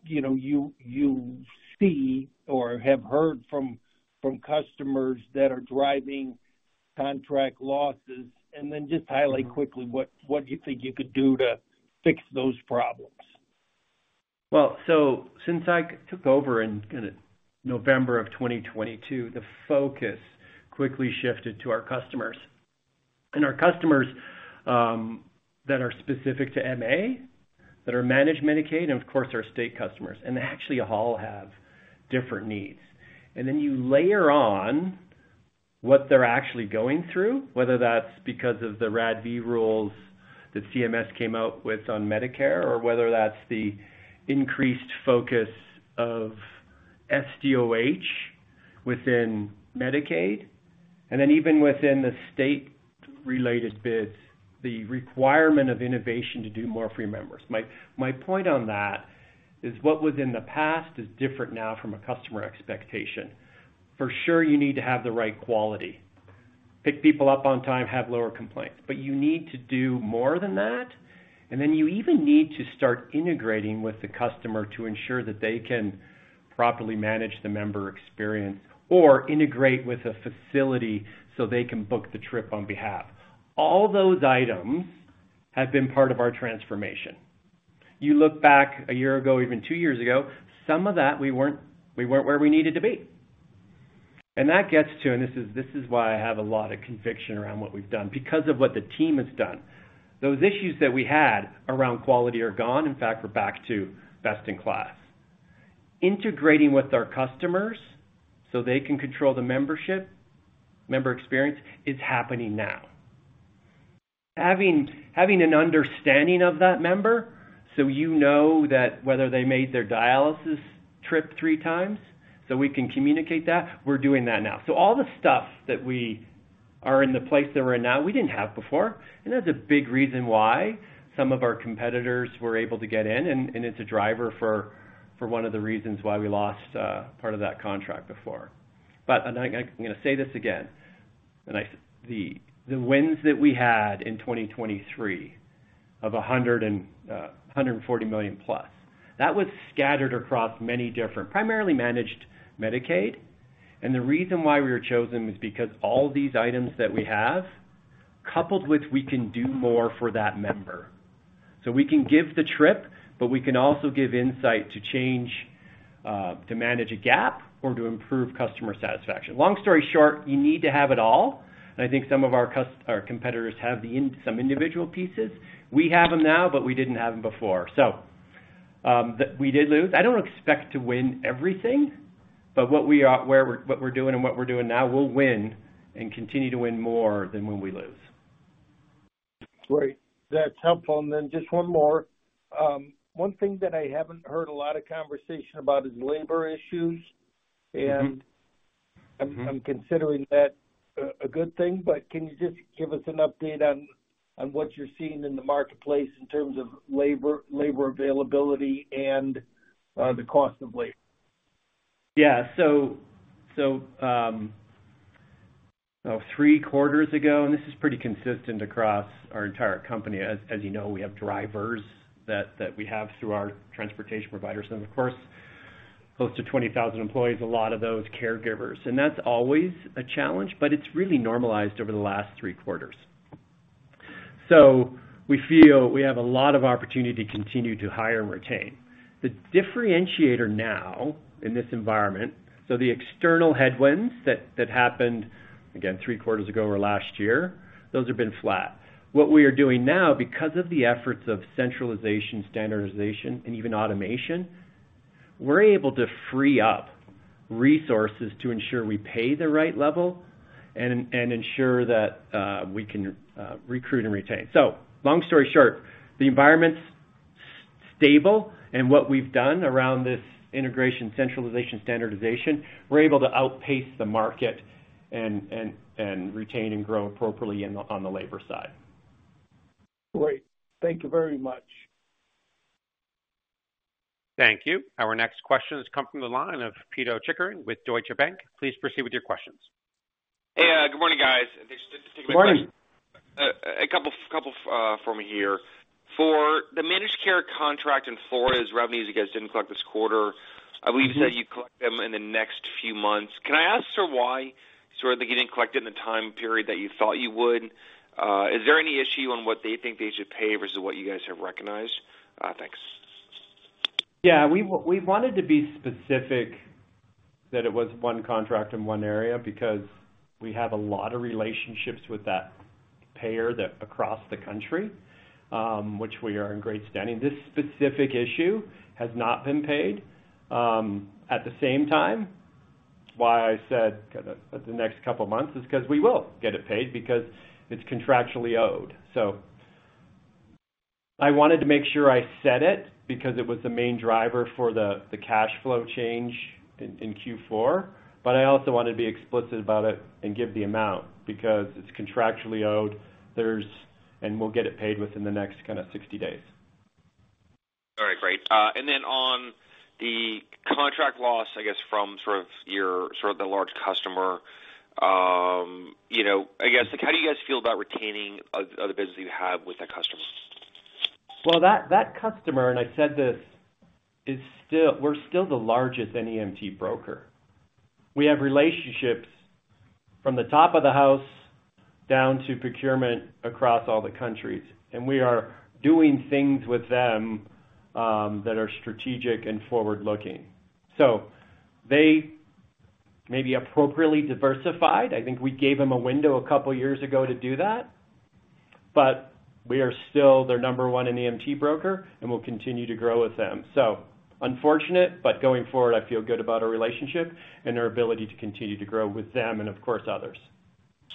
you see or have heard from customers that are driving contract losses, and then just highlight quickly what you think you could do to fix those problems? Well, so since I took over in November of 2022, the focus quickly shifted to our customers. And our customers that are specific to MA, that are managed Medicaid, and of course, our state customers, and they actually all have different needs. And then you layer on what they're actually going through, whether that's because of the RADV rules that CMS came out with on Medicare, or whether that's the increased focus of SDOH within Medicaid. And then even within the state-related bids, the requirement of innovation to do more free members. My point on that is what was in the past is different now from a customer expectation. For sure, you need to have the right quality, pick people up on time, have lower complaints. But you need to do more than that. And then you even need to start integrating with the customer to ensure that they can properly manage the member experience or integrate with a facility so they can book the trip on behalf. All those items have been part of our transformation. You look back a year ago, even two years ago, some of that, we weren't where we needed to be. And that gets to, and this is why I have a lot of conviction around what we've done, because of what the team has done. Those issues that we had around quality are gone. In fact, we're back to best in class. Integrating with our customers so they can control the membership, member experience is happening now. Having an understanding of that member so you know that whether they made their dialysis trip three times so we can communicate that, we're doing that now. So all the stuff that we are in the place that we're in now, we didn't have before. And that's a big reason why some of our competitors were able to get in. And it's a driver for one of the reasons why we lost part of that contract before. But I'm going to say this again. The wins that we had in 2023 of $140+ million, that was scattered across many different, primarily managed Medicaid. And the reason why we were chosen was because all these items that we have, coupled with we can do more for that member. So we can give the trip, but we can also give insight to change, to manage a gap, or to improve customer satisfaction. Long story short, you need to have it all. And I think some of our competitors have some individual pieces. We have them now, but we didn't have them before. So we did lose. I don't expect to win everything, but what we're doing and what we're doing now, we'll win and continue to win more than when we lose. Great. That's helpful. And then just one more. One thing that I haven't heard a lot of conversation about is labor issues. And I'm considering that a good thing, but can you just give us an update on what you're seeing in the marketplace in terms of labor availability and the cost of labor? Yeah. So three quarters ago, and this is pretty consistent across our entire company, as you know, we have drivers that we have through our transportation providers. And of course, close to 20,000 employees, a lot of those caregivers. And that's always a challenge, but it's really normalized over the last three quarters. So we feel we have a lot of opportunity to continue to hire and retain. The differentiator now in this environment, so the external headwinds that happened, again, three quarters ago or last year, those have been flat. What we are doing now, because of the efforts of centralization, standardization, and even automation, we're able to free up resources to ensure we pay the right level and ensure that we can recruit and retain. So long story short, the environment's stable. What we've done around this integration, centralization, standardization, we're able to outpace the market and retain and grow appropriately on the labor side. Great. Thank you very much. Thank you. Our next question has come from the line of Pito Chickering with Deutsche Bank. Please proceed with your questions. Hey. Good morning, guys. Thanks for taking my question. Morning. A couple for me here. For the managed care contract in Florida's revenues, you guys didn't collect this quarter. I believe you said you'd collect them in the next few months. Can I ask sort of why sort of they didn't collect it in the time period that you thought you would? Is there any issue on what they think they should pay versus what you guys have recognized? Thanks. Yeah. We wanted to be specific that it was one contract in one area because we have a lot of relationships with that payer across the country, which we are in great standing. This specific issue has not been paid. At the same time, why I said the next couple of months is because we will get it paid because it's contractually owed. So I wanted to make sure I said it because it was the main driver for the cash flow change in Q4. But I also wanted to be explicit about it and give the amount because it's contractually owed, and we'll get it paid within the next kind of 60 days. All right. Great. And then on the contract loss, I guess, from sort of the large customer, I guess, how do you guys feel about retaining other businesses you have with that customer? Well, that customer, and I said this, we're still the largest NEMT broker. We have relationships from the top of the house down to procurement across all the companies. And we are doing things with them that are strategic and forward-looking. So they may be appropriately diversified. I think we gave them a window a couple of years ago to do that. But we are still their number one NEMT broker, and we'll continue to grow with them. So unfortunate, but going forward, I feel good about our relationship and our ability to continue to grow with them and, of course, others.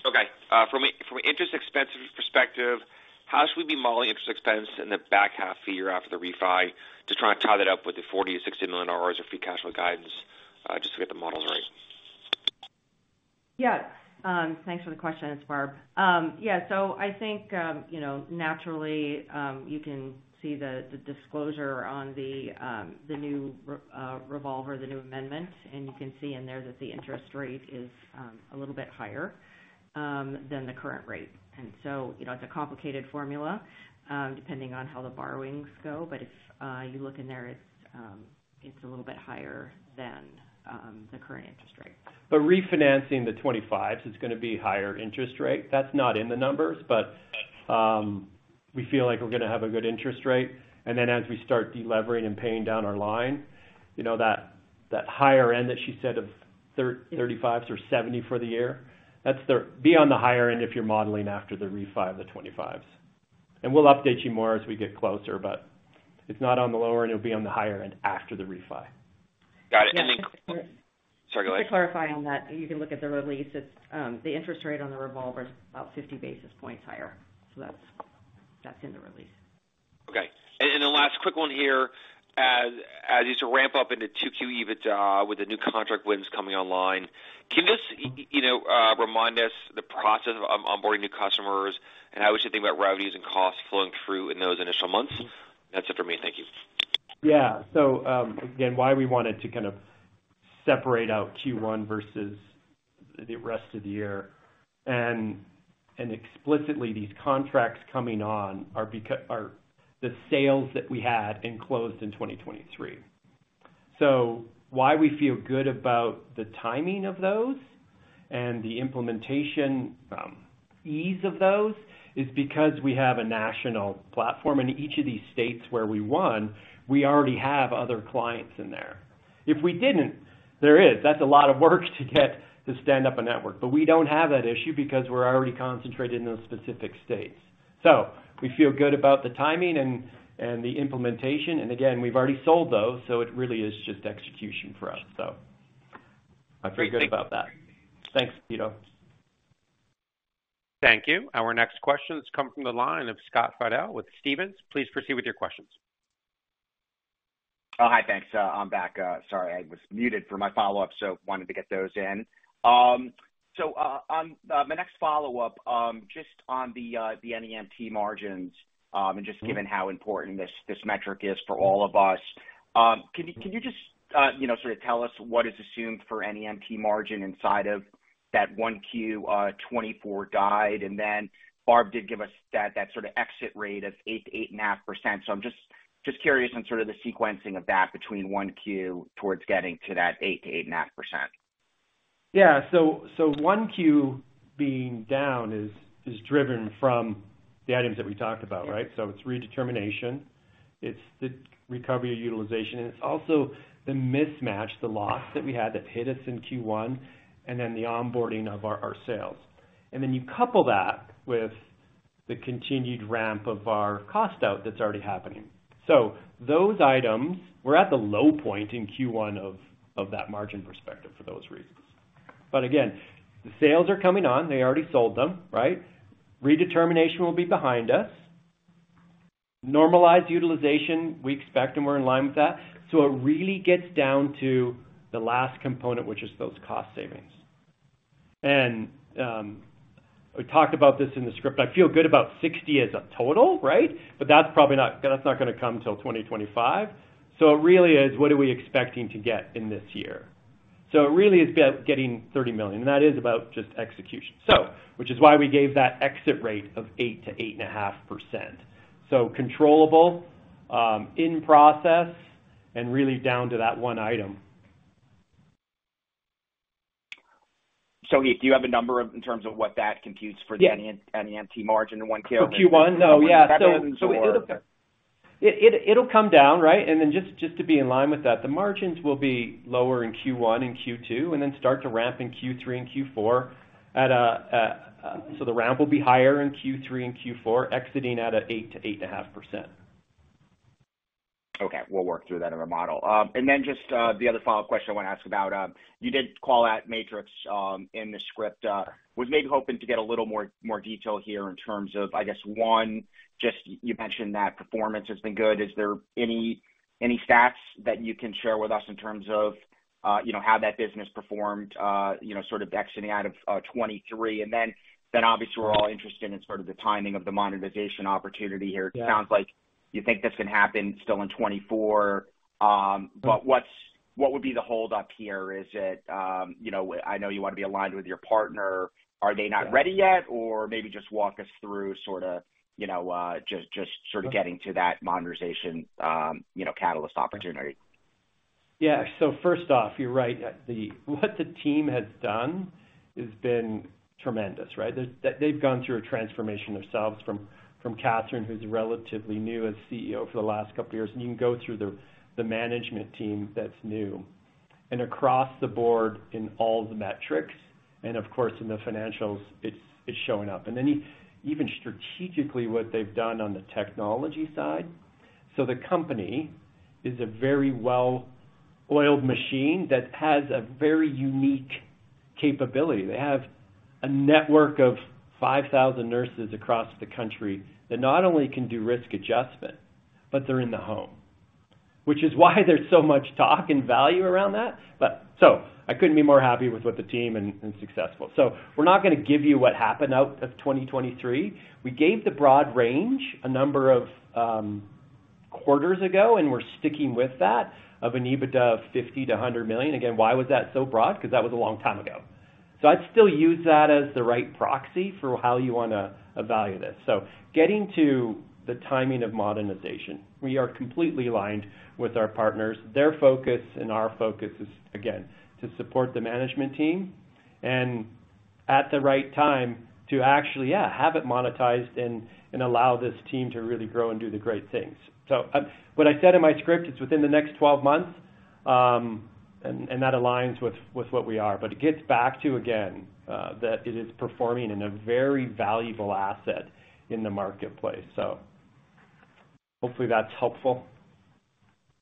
Okay. From an interest expense perspective, how should we be modeling interest expense in the back half of the year after the refi to try and tie that up with the $40 million-$60 million of free cash flow guidance just to get the models right? Yeah. Thanks for the question, Barb. Yeah. So I think naturally, you can see the disclosure on the new revolver, the new amendment. And you can see in there that the interest rate is a little bit higher than the current rate. And so it's a complicated formula depending on how the borrowings go. But if you look in there, it's a little bit higher than the current interest rate. But refinancing the 25s, it's going to be higher interest rate. That's not in the numbers, but we feel like we're going to have a good interest rate. And then as we start delevering and paying down our line, that higher end that she said of 35s or 70 for the year, that's be on the higher end if you're modeling after the refi of the 25s. We'll update you more as we get closer, but it's not on the lower, and it'll be on the higher end after the refi. Got it. And then, sorry, go ahead. To clarify on that, you can look at the release. The interest rate on the revolver is about 50 basis points higher. So that's in the release. Okay. And then last quick one here, as you sort of ramp up into 2Q EBITDA with the new contract wins coming online, can you just remind us the process of onboarding new customers and how we should think about revenues and costs flowing through in those initial months? That's it for me. Thank you. Yeah. So again, why we wanted to kind of separate out Q1 versus the rest of the year. And explicitly, these contracts coming on are the sales that we had and closed in 2023. So why we feel good about the timing of those and the implementation ease of those is because we have a national platform. And each of these states where we won, we already have other clients in there. If we didn't, there is. That's a lot of work to stand up a network. But we don't have that issue because we're already concentrated in those specific states. So we feel good about the timing and the implementation. And again, we've already sold those, so it really is just execution for us. So I feel good about that. Thanks, Pito. Thank you. Our next question has come from the line of Scott Fidel with Stephens. Please proceed with your questions. Oh, hi. Thanks. I'm back. Sorry, I was muted for my follow-up, so wanted to get those in. So on my next follow-up, just on the NEMT margins and just given how important this metric is for all of us, can you just sort of tell us what is assumed for NEMT margin inside of that 1Q 2024 guide? And then Barb did give us that sort of exit rate of 8%-8.5%. So I'm just curious on sort of the sequencing of that between 1Q towards getting to that 8%-8.5%. Yeah. So 1Q being down is driven from the items that we talked about, right? So it's redetermination. It's the recovery of utilization. And it's also the mismatch, the loss that we had that hit us in Q1, and then the onboarding of our sales. And then you couple that with the continued ramp of our cost out that's already happening. So those items, we're at the low point in Q1 of that margin perspective for those reasons. But again, the sales are coming on. They already sold them, right? Redetermination will be behind us. Normalized utilization, we expect, and we're in line with that. So it really gets down to the last component, which is those cost savings. And we talked about this in the script. I feel good about $60 million as a total, right? But that's not going to come till 2025. So it really is, what are we expecting to get in this year? So it really is getting $30 million. And that is about just execution, which is why we gave that exit rate of 8%-8.5%. So controllable, in process, and really down to that one item. So do you have a number in terms of what that computes for the NEMT margin in 1Q? For Q1? No, yeah. So it'll come down, right? And then just to be in line with that, the margins will be lower in Q1 and Q2 and then start to ramp in Q3 and Q4 at a so the ramp will be higher in Q3 and Q4, exiting at 8%-8.5%. Okay. We'll work through that in the model. And then just the other follow-up question I want to ask about, you did call out Matrix in the script. Was maybe hoping to get a little more detail here in terms of, I guess, one, just you mentioned that performance has been good. Is there any stats that you can share with us in terms of how that business performed sort of exiting out of 2023? And then obviously, we're all interested in sort of the timing of the monetization opportunity here. It sounds like you think this can happen still in 2024. But what would be the hold-up here? Is it I know you want to be aligned with your partner. Are they not ready yet? Or maybe just walk us through sort of just sort of getting to that monetization catalyst opportunity. Yeah. So first off, you're right. What the team has done has been tremendous, right? They've gone through a transformation themselves from Catherine, who's relatively new as CEO for the last couple of years. And you can go through the management team that's new. Across the board in all the metrics and, of course, in the financials, it's showing up. Then even strategically, what they've done on the technology side. So the company is a very well-oiled machine that has a very unique capability. They have a network of 5,000 nurses across the country that not only can do risk adjustment, but they're in the home, which is why there's so much talk and value around that. So I couldn't be more happy with what the team and successful. So we're not going to give you what happened out of 2023. We gave the broad range a number of quarters ago, and we're sticking with that of an EBITDA of $50 million-$100 million. Again, why was that so broad? Because that was a long time ago. So I'd still use that as the right proxy for how you want to evaluate this. So getting to the timing of modernization, we are completely aligned with our partners. Their focus and our focus is, again, to support the management team and at the right time to actually, yeah, have it monetized and allow this team to really grow and do the great things. So what I said in my script, it's within the next 12 months. And that aligns with what we are. But it gets back to, again, that it is performing in a very valuable asset in the marketplace. So hopefully, that's helpful.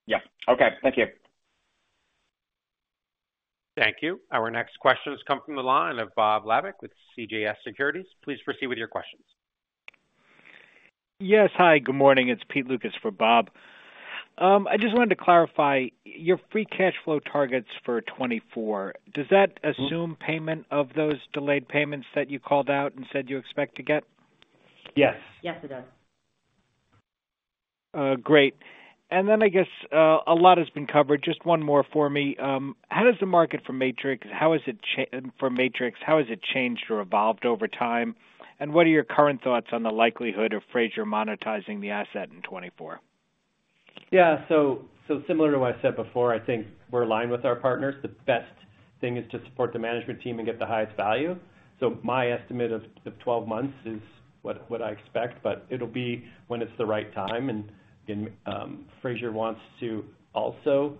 Yep. Okay. Thank you. Thank you. Our next question has come from the line of Bob Labick with CJS Securities. Please proceed with your questions. Yes. Hi. Good morning. It's Pete Lukas for Bob. I just wanted to clarify your free cash flow targets for 2024. Does that assume payment of those delayed payments that you called out and said you expect to get? Yes. Yes, it does. Great. And then I guess a lot has been covered. Just one more for me. How does the market for Matrix how has it for Matrix, how has it changed or evolved over time? And what are your current thoughts on the likelihood of Frazier monetizing the asset in 2024? Yeah. So similar to what I said before, I think we're aligned with our partners. The best thing is to support the management team and get the highest value. So my estimate of 12 months is what I expect. But it'll be when it's the right time. And again, Frazier wants to also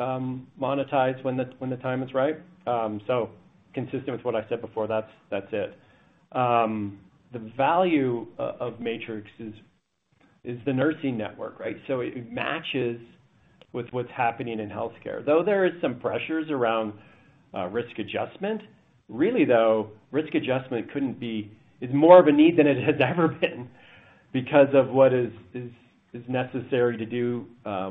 monetize when the time is right. So consistent with what I said before, that's it. The value of Matrix is the nursing network, right? So it matches with what's happening in healthcare. Though there are some pressures around risk adjustment, really, though, risk adjustment is more of a need than it has ever been because of what is necessary to do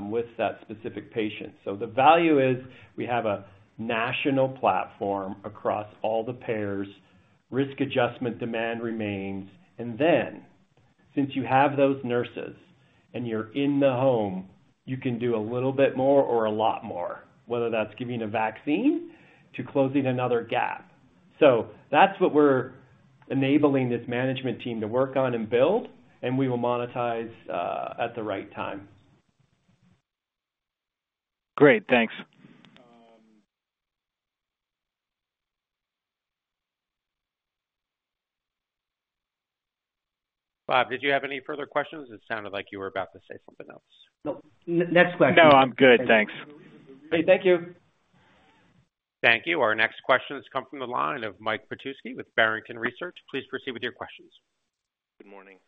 with that specific patient. So the value is we have a national platform across all the payers. Risk adjustment demand remains. And then since you have those nurses and you're in the home, you can do a little bit more or a lot more, whether that's giving a vaccine to closing another gap. So that's what we're enabling this management team to work on and build. And we will monetize at the right time. Great. Thanks. Bob, did you have any further questions? It sounded like you were about to say something else. Nope. Next question. No, I'm good. Thanks. Great. Thank you. Thank you. Our next question has come from the line of Mike Petusky with Barrington Research. Please proceed with your questions. Good morning.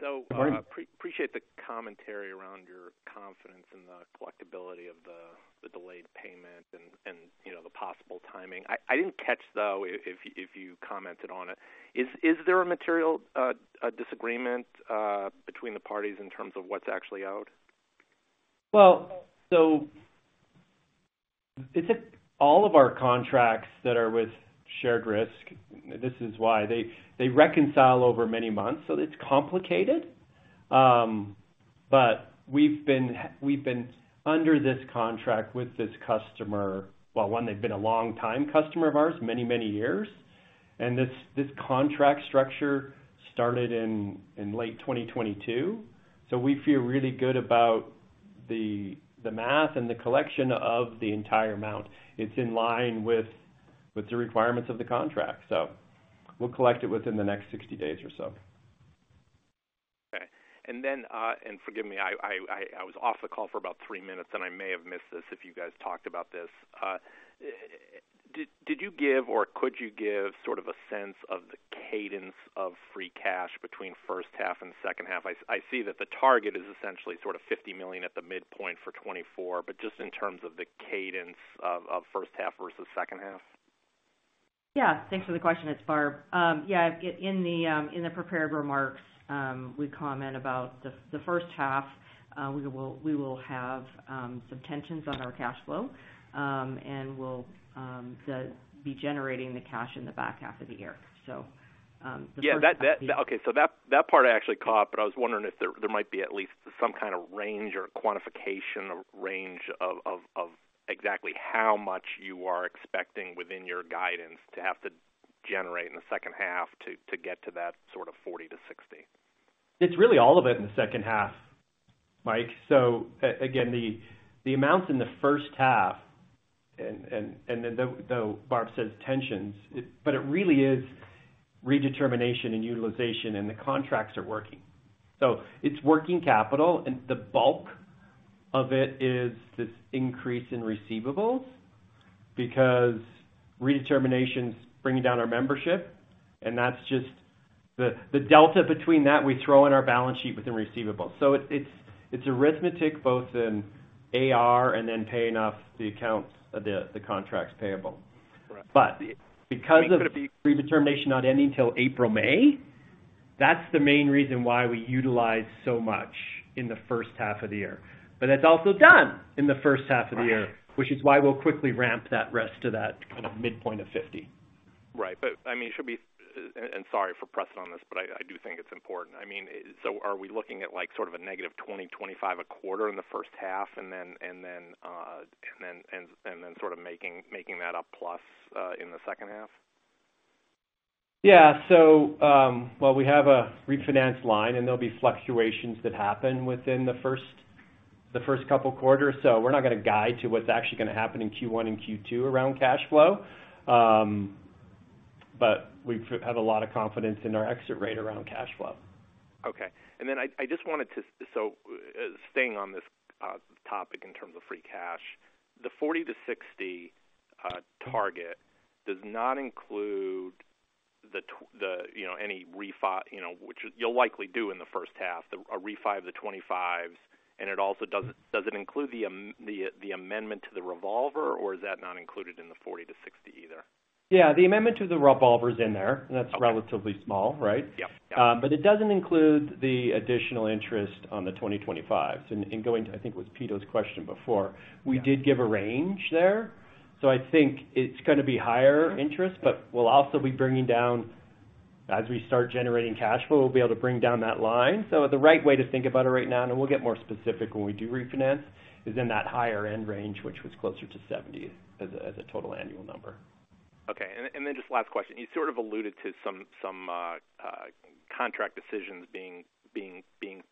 So I appreciate the commentary around your confidence in the collectibility of the delayed payment and the possible timing. I didn't catch, though, if you commented on it. Is there a material disagreement between the parties in terms of what's actually out? Well, so it's all of our contracts that are with shared risk. This is why. They reconcile over many months, so it's complicated. But we've been under this contract with this customer well, one, they've been a long-time customer of ours, many, many years. And this contract structure started in late 2022. So we feel really good about the math and the collection of the entire amount. It's in line with the requirements of the contract. So we'll collect it within the next 60 days or so. Okay. And then, forgive me. I was off the call for about three minutes, and I may have missed this if you guys talked about this. Did you give or could you give sort of a sense of the cadence of free cash between first half and second half? I see that the target is essentially sort of $50 million at the midpoint for 2024, but just in terms of the cadence of first half versus second half. Yeah. Thanks for the question. It's Barb. Yeah. In the prepared remarks, we comment about the first half. We will have some tensions on our cash flow and will be generating the cash in the back half of the year. So the first half of the year. Yeah. Okay. So that part I actually caught, but I was wondering if there might be at least some kind of range or quantification of range of exactly how much you are expecting within your guidance to have to generate in the second half to get to that sort of $40 million-$60 million. It's really all of it in the second half, Mike. So again, the amounts in the first half and then though Barb says tensions, but it really is redetermination and utilization, and the contracts are working. So it's working capital, and the bulk of it is this increase in receivables because redeterminations bring down our membership. And that's just the delta between that we throw in our balance sheet within receivables. So it's arithmetic both in AR and then paying off the accounts, the contracts payable. But because of redetermination not ending till April, May, that's the main reason why we utilize so much in the first half of the year. But that's also done in the first half of the year, which is why we'll quickly ramp that rest of that kind of midpoint of $50 million. Right. But I mean, it should be, and sorry for pressing on this, but I do think it's important. I mean, so are we looking at sort of a -$20 million, -$25 million a quarter in the first half and then sort of making that a plus in the second half? Yeah. So, well, we have a refinanced line, and there'll be fluctuations that happen within the first couple of quarters. So we're not going to guide to what's actually going to happen in Q1 and Q2 around cash flow. But we have a lot of confidence in our exit rate around cash flow. Okay. And then I just wanted to so staying on this topic in terms of free cash, the $40 million-$60 million target does not include any refi, which you'll likely do in the first half, a refi of the 25s. And it also doesn't include the amendment to the revolver, or is that not included in the $40 million-$60 million either? Yeah. The amendment to the revolver's in there, and that's relatively small, right? But it doesn't include the additional interest on the 2025s. And going to, I think, it was Pete's question before, we did give a range there. So I think it's going to be higher interest, but we'll also be bringing down as we start generating cash flow, we'll be able to bring down that line. So the right way to think about it right now, and we'll get more specific when we do refinance, is in that higher-end range, which was closer to 70 as a total annual number. Okay. And then just last question. You sort of alluded to some contract decisions being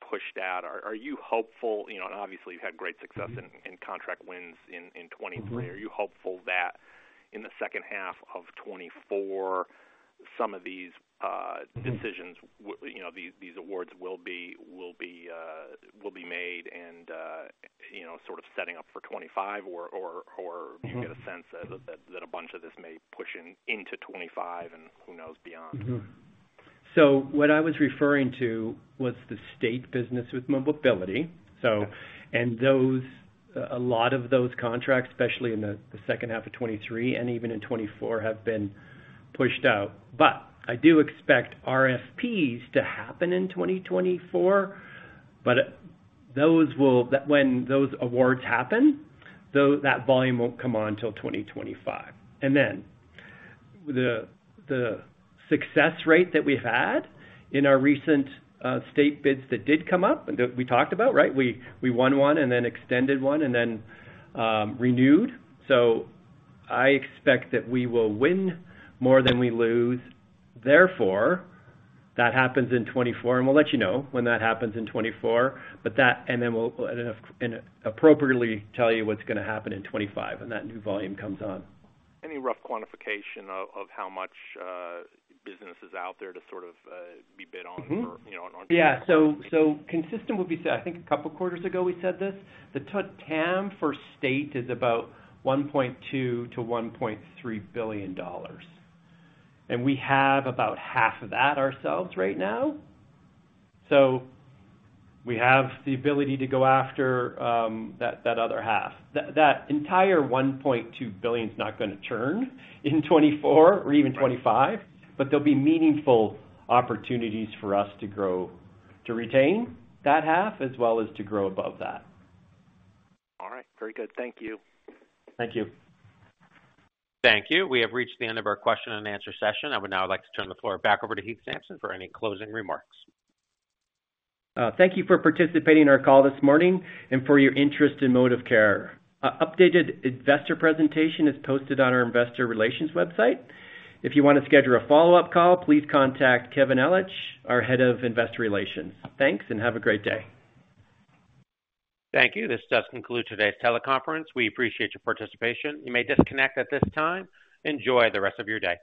pushed out. Are you hopeful and obviously, you've had great success in contract wins in 2023. Are you hopeful that in the second half of 2024, some of these decisions, these awards will be made and sort of setting up for 2025, or do you get a sense that a bunch of this may push into 2025 and who knows beyond? So what I was referring to was the state business with Mobility. And a lot of those contracts, especially in the second half of 2023 and even in 2024, have been pushed out. But I do expect RFPs to happen in 2024. But when those awards happen, that volume won't come on till 2025. And then the success rate that we've had in our recent state bids that did come up, and we talked about, right? We won one and then extended one and then renewed. So I expect that we will win more than we lose. Therefore, that happens in 2024. And we'll let you know when that happens in 2024. And then we'll appropriately tell you what's going to happen in 2025 when that new volume comes on. Any rough quantification of how much business is out there to sort of be bid on on 2024? Yeah. So consistent would be said. I think a couple of quarters ago, we said this. The TAM for state is about $1.2 billion-$1.3 billion. We have about half of that ourselves right now. So we have the ability to go after that other half. That entire $1.2 billion is not going to churn in 2024 or even 2025, but there'll be meaningful opportunities for us to retain that half as well as to grow above that. All right. Very good. Thank you. Thank you. Thank you. We have reached the end of our question-and-answer session. I would now like to turn the floor back over to Heath Sampson for any closing remarks. Thank you for participating in our call this morning and for your interest in ModivCare. An updated investor presentation is posted on our investor relations website. If you want to schedule a follow-up call, please contact Kevin Ellich, our head of investor relations. Thanks, and have a great day. Thank you. This does conclude today's teleconference. We appreciate your participation. You may disconnect at this time. Enjoy the rest of your day.